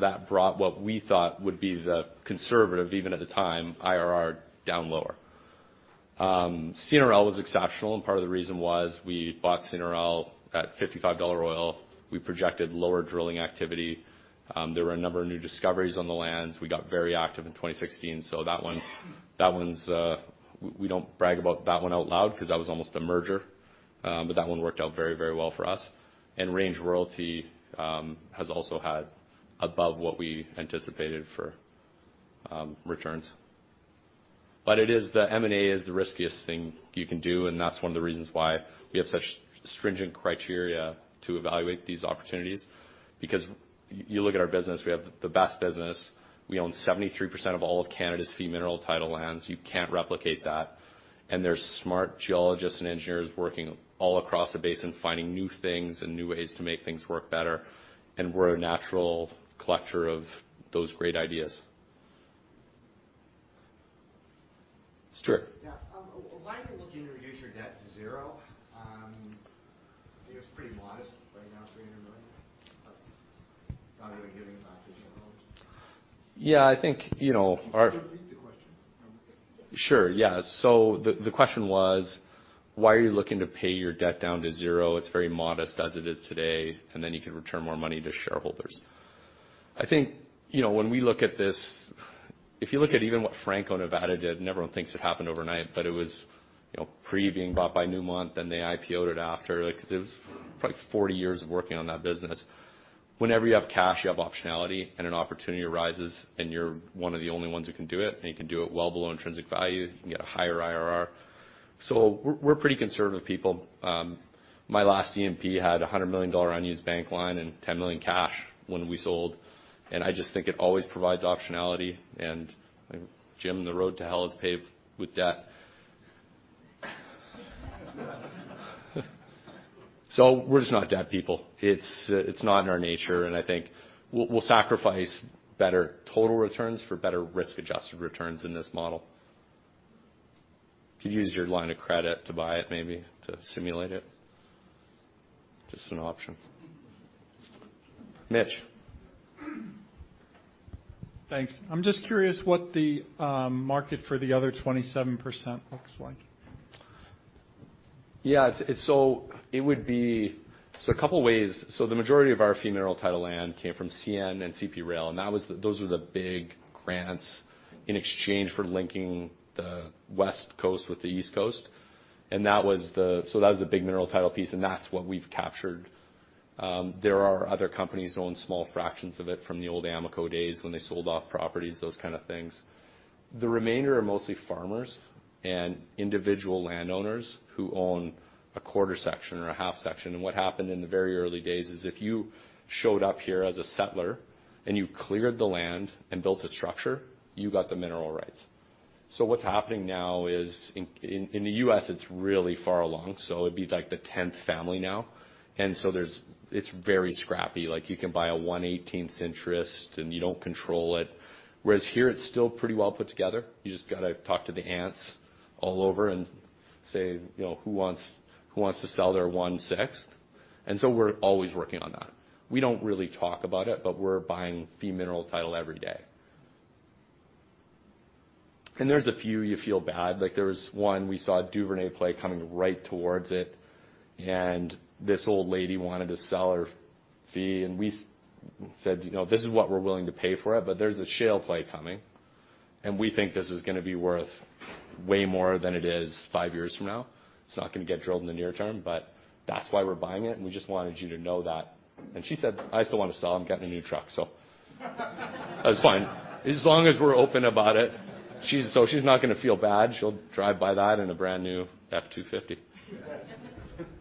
That brought what we thought would be the conservative, even at the time, IRR down lower. CNRL was exceptional, and part of the reason was we bought CNRL at $55 oil. We projected lower drilling activity. There were a number of new discoveries on the lands. We got very active in 2016. That one's. We don't brag about that one out loud 'cause that was almost a merger. That one worked out very, very well for us. Range Royalty has also had above what we anticipated for returns. M&A is the riskiest thing you can do, and that's one of the reasons why we have such stringent criteria to evaluate these opportunities. You look at our business, we have the best business. We own 73% of all of Canada's fee mineral title lands. You can't replicate that. There's smart geologists and engineers working all across the basin, finding new things and new ways to make things work better, and we're a natural collector of those great ideas. Stuart? Yeah. Why are you looking to reduce your debt to zero? It's pretty modest right now, CAD 300 million. Like, rather than giving it back to shareholders. Yeah, I think, you know. Can you repeat the question? I'm okay. Sure, yeah. The question was, why are you looking to pay your debt down to zero? It's very modest as it is today, then you can return more money to shareholders. I think, you know, when we look at this, if you look at even what Franco-Nevada did, and everyone thinks it happened overnight, but it was, you know, pre being bought by Newmont, then they IPO'd it after. Like, it was probably 40 years of working on that business. Whenever you have cash, you have optionality, and an opportunity arises, and you're one of the only ones who can do it, and you can do it well below intrinsic value, you can get a higher IRR. We're pretty conservative people. My last EMP had a 100 million dollar unused bank line and 10 million cash when we sold. I just think it always provides optionality. Jim, the road to hell is paved with debt. We're just not debt people. It's not in our nature, and I think we'll sacrifice better total returns for better risk-adjusted returns in this model. Could use your line of credit to buy it maybe, to simulate it. Just an option. Mitch? Thanks. I'm just curious what the market for the other 27% looks like. It would be a couple ways. The majority of our fee mineral title land came from CN and CP Rail, and those were the big grants in exchange for linking the West Coast with the East Coast. That was the big mineral title piece, and that's what we've captured. There are other companies that own small fractions of it from the old Amoco days when they sold off properties, those kind of things. The remainder are mostly farmers and individual landowners who own a quarter section or a half section. What happened in the very early days is if you showed up here as a settler and you cleared the land and built a structure, you got the mineral rights. What's happening now is in the U.S., it's really far along, so it'd be like the 10th family now. It's very scrappy. Like, you can buy a 1/18 interest, and you don't control it. Whereas here, it's still pretty well put together. You just gotta talk to the aunts all over and say, you know, "Who wants to sell their 1/6?" We're always working on that. We don't really talk about it, but we're buying fee mineral title every day. There's a few you feel bad. Like, there was one, we saw a Duvernay play coming right towards it, this old lady wanted to sell her fee, we said, you know, "This is what we're willing to pay for it, there's a shale play coming, and we think this is gonna be worth way more than it is five years from now. It's not gonna get drilled in the near term, that's why we're buying it, we just wanted you to know that." She said, "I still wanna sell. I'm getting a new truck," it was fine. As long as we're open about it, she's not gonna feel bad. She'll drive by that in a brand-new F250. The only part I don't believe is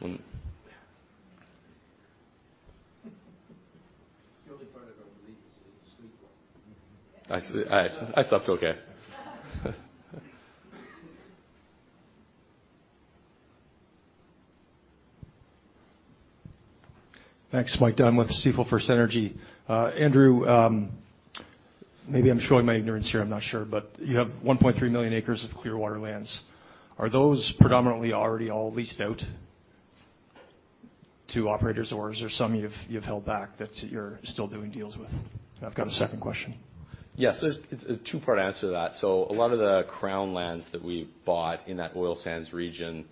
that you slept well. I slept okay. Thanks, Mike Dunn with Stifel FirstEnergy. Andrew, maybe I'm showing my ignorance here, I'm not sure, but you have 1.3 million acres of Clearwater lands. Are those predominantly already all leased out to operators, or is there some you've held back that you're still doing deals with? I've got a second question. Yes. It's a two-part answer to that. A lot of the Crown lands that we bought in that oil sands region,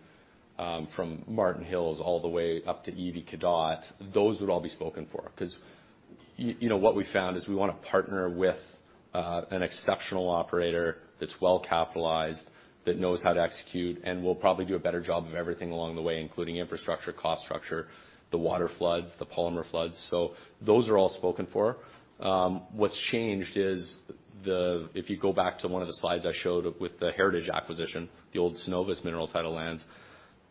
from Marten Hills all the way up to EV Cadotte, those would all be spoken for 'cause you know, what we found is we wanna partner with an exceptional operator that's well-capitalized, that knows how to execute and will probably do a better job of everything along the way, including infrastructure, cost structure, the water floods, the polymer floods. Those are all spoken for. What's changed is the... If you go back to one of the slides I showed with the Heritage acquisition, the old Cenovus mineral title lands,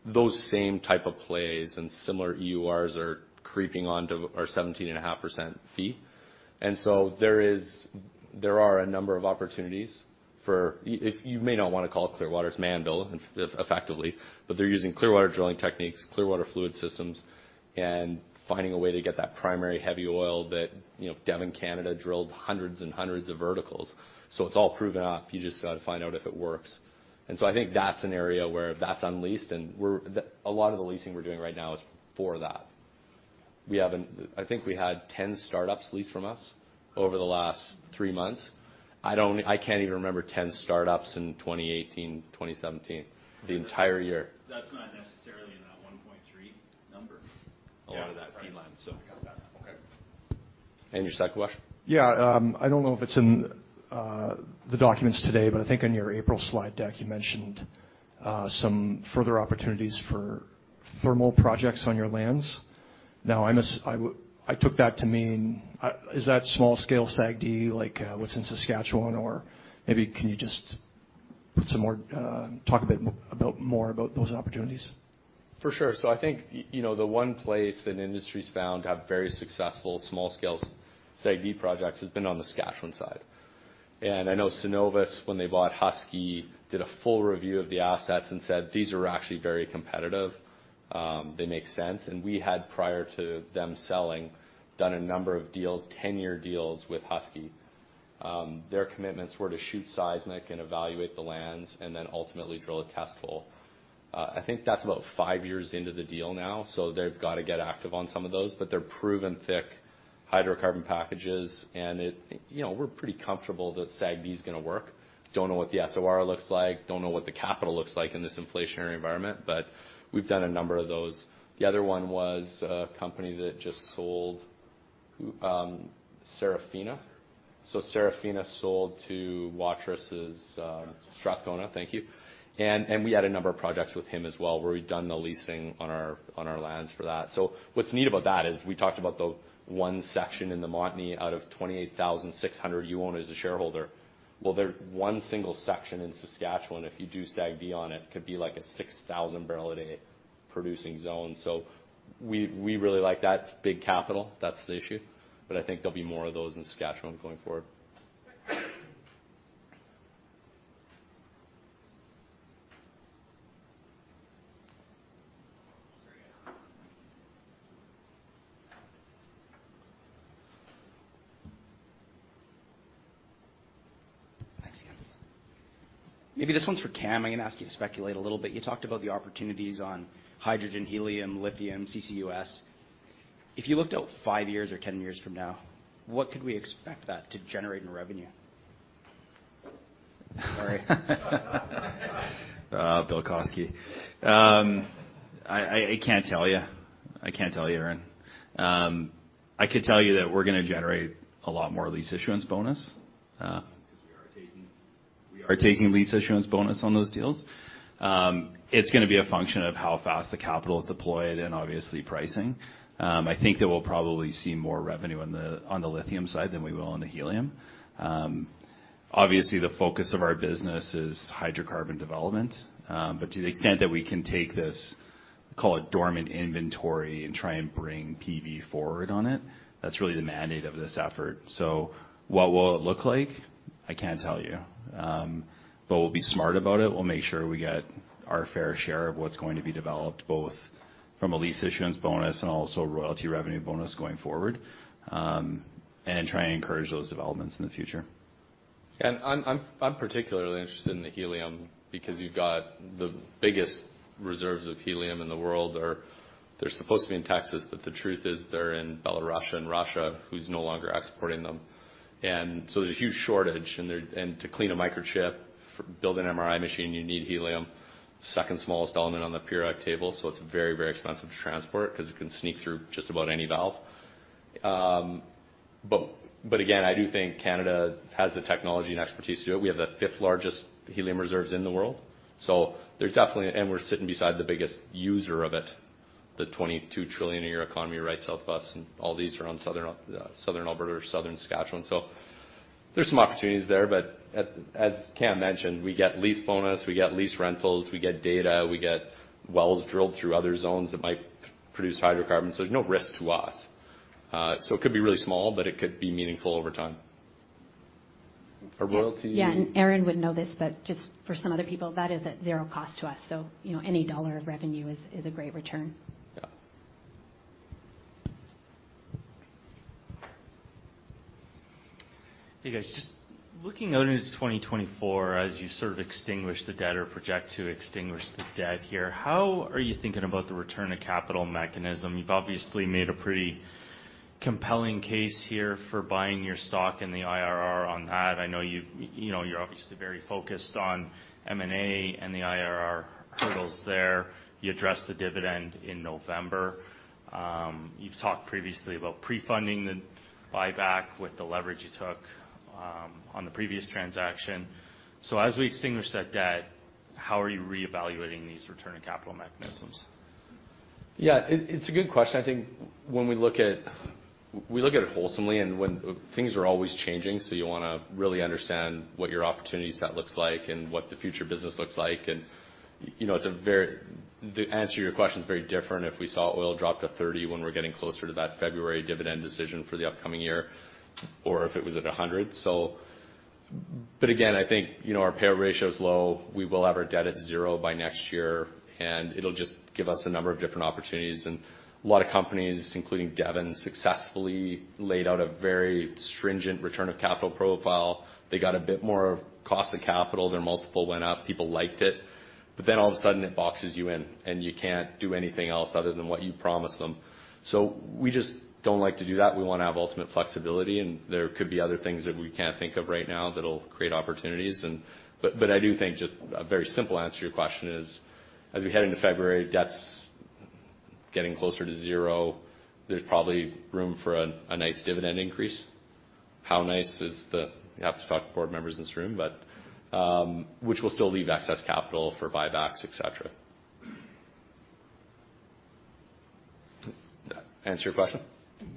those same type of plays and similar EURs are creeping onto our 17.5% fee. There are a number of opportunities for if you may not wanna call it Clearwater. It's Mannville effectively, but they're using Clearwater drilling techniques, Clearwater fluid systems, and finding a way to get that primary heavy oil that, you know, Devon Canada drilled hundreds of verticals. It's all proven up. You just gotta find out if it works. I think that's an area where that's unleased, and a lot of the leasing we're doing right now is for that. I think we had 10 startups lease from us over the last three months. I can't even remember 10 startups in 2018, 2017, the entire year. That's not necessarily in that 1.3 number. Yeah. I got that. Okay. Your second question? Yeah. I don't know if it's in the documents today, but I think in your April slide deck, you mentioned some further opportunities for thermal projects on your lands. Now I took that to mean, is that small scale SAGD, like, what's in Saskatchewan? Or maybe can you just put some more. Talk a bit about more about those opportunities? For sure. I think, you know, the one place that industry's found to have very successful small scale SAGD projects has been on the Saskatchewan side. I know Cenovus, when they bought Husky, did a full review of the assets and said, "These are actually very competitive. They make sense." We had, prior to them selling, done a number of deals, 10-year deals with Husky. Their commitments were to shoot seismic and evaluate the lands and then ultimately drill a test hole. I think that's about five years into the deal now, so they've gotta get active on some of those. They're proven thick hydrocarbon packages, and it. You know, we're pretty comfortable that SAGD's gonna work. Don't know what the SOR looks like, don't know what the capital looks like in this inflationary environment. We've done a number of those. The other one was a company that just sold, Serafina. Serafina sold to Waterous'. Strathcona. Strathcona. Thank you. We had a number of projects with him as well, where we'd done the leasing on our lands for that. What's neat about that is we talked about the one section in the Montney out of 28,600 you own as a shareholder. Well, there's one single section in Saskatchewan, if you do SAGD on it, could be like a 6,000 barrel a day producing zone. We really like that. It's big capital, that's the issue, but I think there'll be more of those in Saskatchewan going forward. Thanks again. Maybe this one's for Cam. I'm gonna ask you to speculate a little bit. You talked about the opportunities on hydrogen, helium, lithium, CCUS. If you looked out five years or 10 years from now, what could we expect that to generate in revenue? Sorry. Bilkoski. I can't tell you. I can't tell you, Aaron. I could tell you that we're gonna generate a lot more lease issuance bonus. We Are taking lease issuance bonus on those deals. It's going to be a function of how fast the capital is deployed and obviously pricing. I think that we'll probably see more revenue on the lithium side than we will on the helium. Obviously the focus of our business is hydrocarbon development. To the extent that we can take this, call it dormant inventory and try and bring PV forward on it. That's really the mandate of this effort. What will it look like? I can't tell you. We'll be smart about it. We'll make sure we get our fair share of what's going to be developed, both from a lease issuance bonus and also royalty revenue bonus going forward, try and encourage those developments in the future. I'm particularly interested in the helium because you've got the biggest reserves of helium in the world. They're supposed to be in Texas, but the truth is they're in Belarus and Russia, who's no longer exporting them. There's a huge shortage and to clean a microchip, build an MRI machine, you need helium. Second smallest element on the periodic table, so it's very, very expensive to transport 'cause it can sneak through just about any valve. Again, I do think Canada has the technology and expertise to do it. We have the fifth largest helium reserves in the world. There's definitely. We're sitting beside the biggest user of it, the $22 trillion a year economy right south of us, and all these are on southern Alberta or southern Saskatchewan. There's some opportunities there, but as Cam mentioned, we get lease bonus, we get lease rentals, we get data, we get wells drilled through other zones that might produce hydrocarbons. There's no risk to us. It could be really small, but it could be meaningful over time. Yeah. Aaron would know this, but just for some other people, that is at zero cost to us. You know, any dollar of revenue is a great return. Yeah. Hey, guys. Just looking out into 2024 as you sort of extinguish the debt or project to extinguish the debt here, how are you thinking about the return of capital mechanism? You've obviously made a pretty compelling case here for buying your stock and the IRR on that. I know you know, you're obviously very focused on M&A and the IRR hurdles there. You addressed the dividend in November. You've talked previously about pre-funding the buyback with the leverage you took on the previous transaction. As we extinguish that debt, how are you reevaluating these return on capital mechanisms? Yeah. It's a good question. I think we look at it wholesomely. Things are always changing, so you wanna really understand what your opportunity set looks like and what the future business looks like. You know, the answer to your question is very different if we saw oil drop to 30 when we're getting closer to that February dividend decision for the upcoming year or if it was at 100. Again, I think, you know, our payout ratio is low. We will have our debt at 0 by next year, and it'll just give us a number of different opportunities. A lot of companies, including Devon, successfully laid out a very stringent return of capital profile. They got a bit more cost of capital. Their multiple went up. People liked it. All of a sudden it boxes you in and you can't do anything else other than what you promised them. We just don't like to do that. We wanna have ultimate flexibility, and there could be other things that we can't think of right now that'll create opportunities. I do think just a very simple answer to your question is, as we head into February, debt's getting closer to zero. There's probably room for a nice dividend increase. How nice is the. You have to talk to board members in this room, but which will still leave excess capital for buybacks, et cetera. Did that answer your question? Any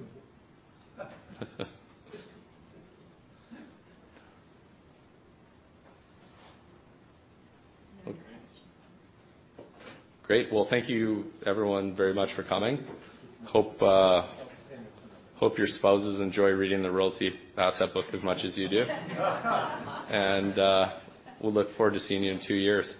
other questions? Great. Well, thank you everyone very much for coming. Hope your spouses enjoy reading the royalty asset book as much as you do. We'll look forward to seeing you in two years.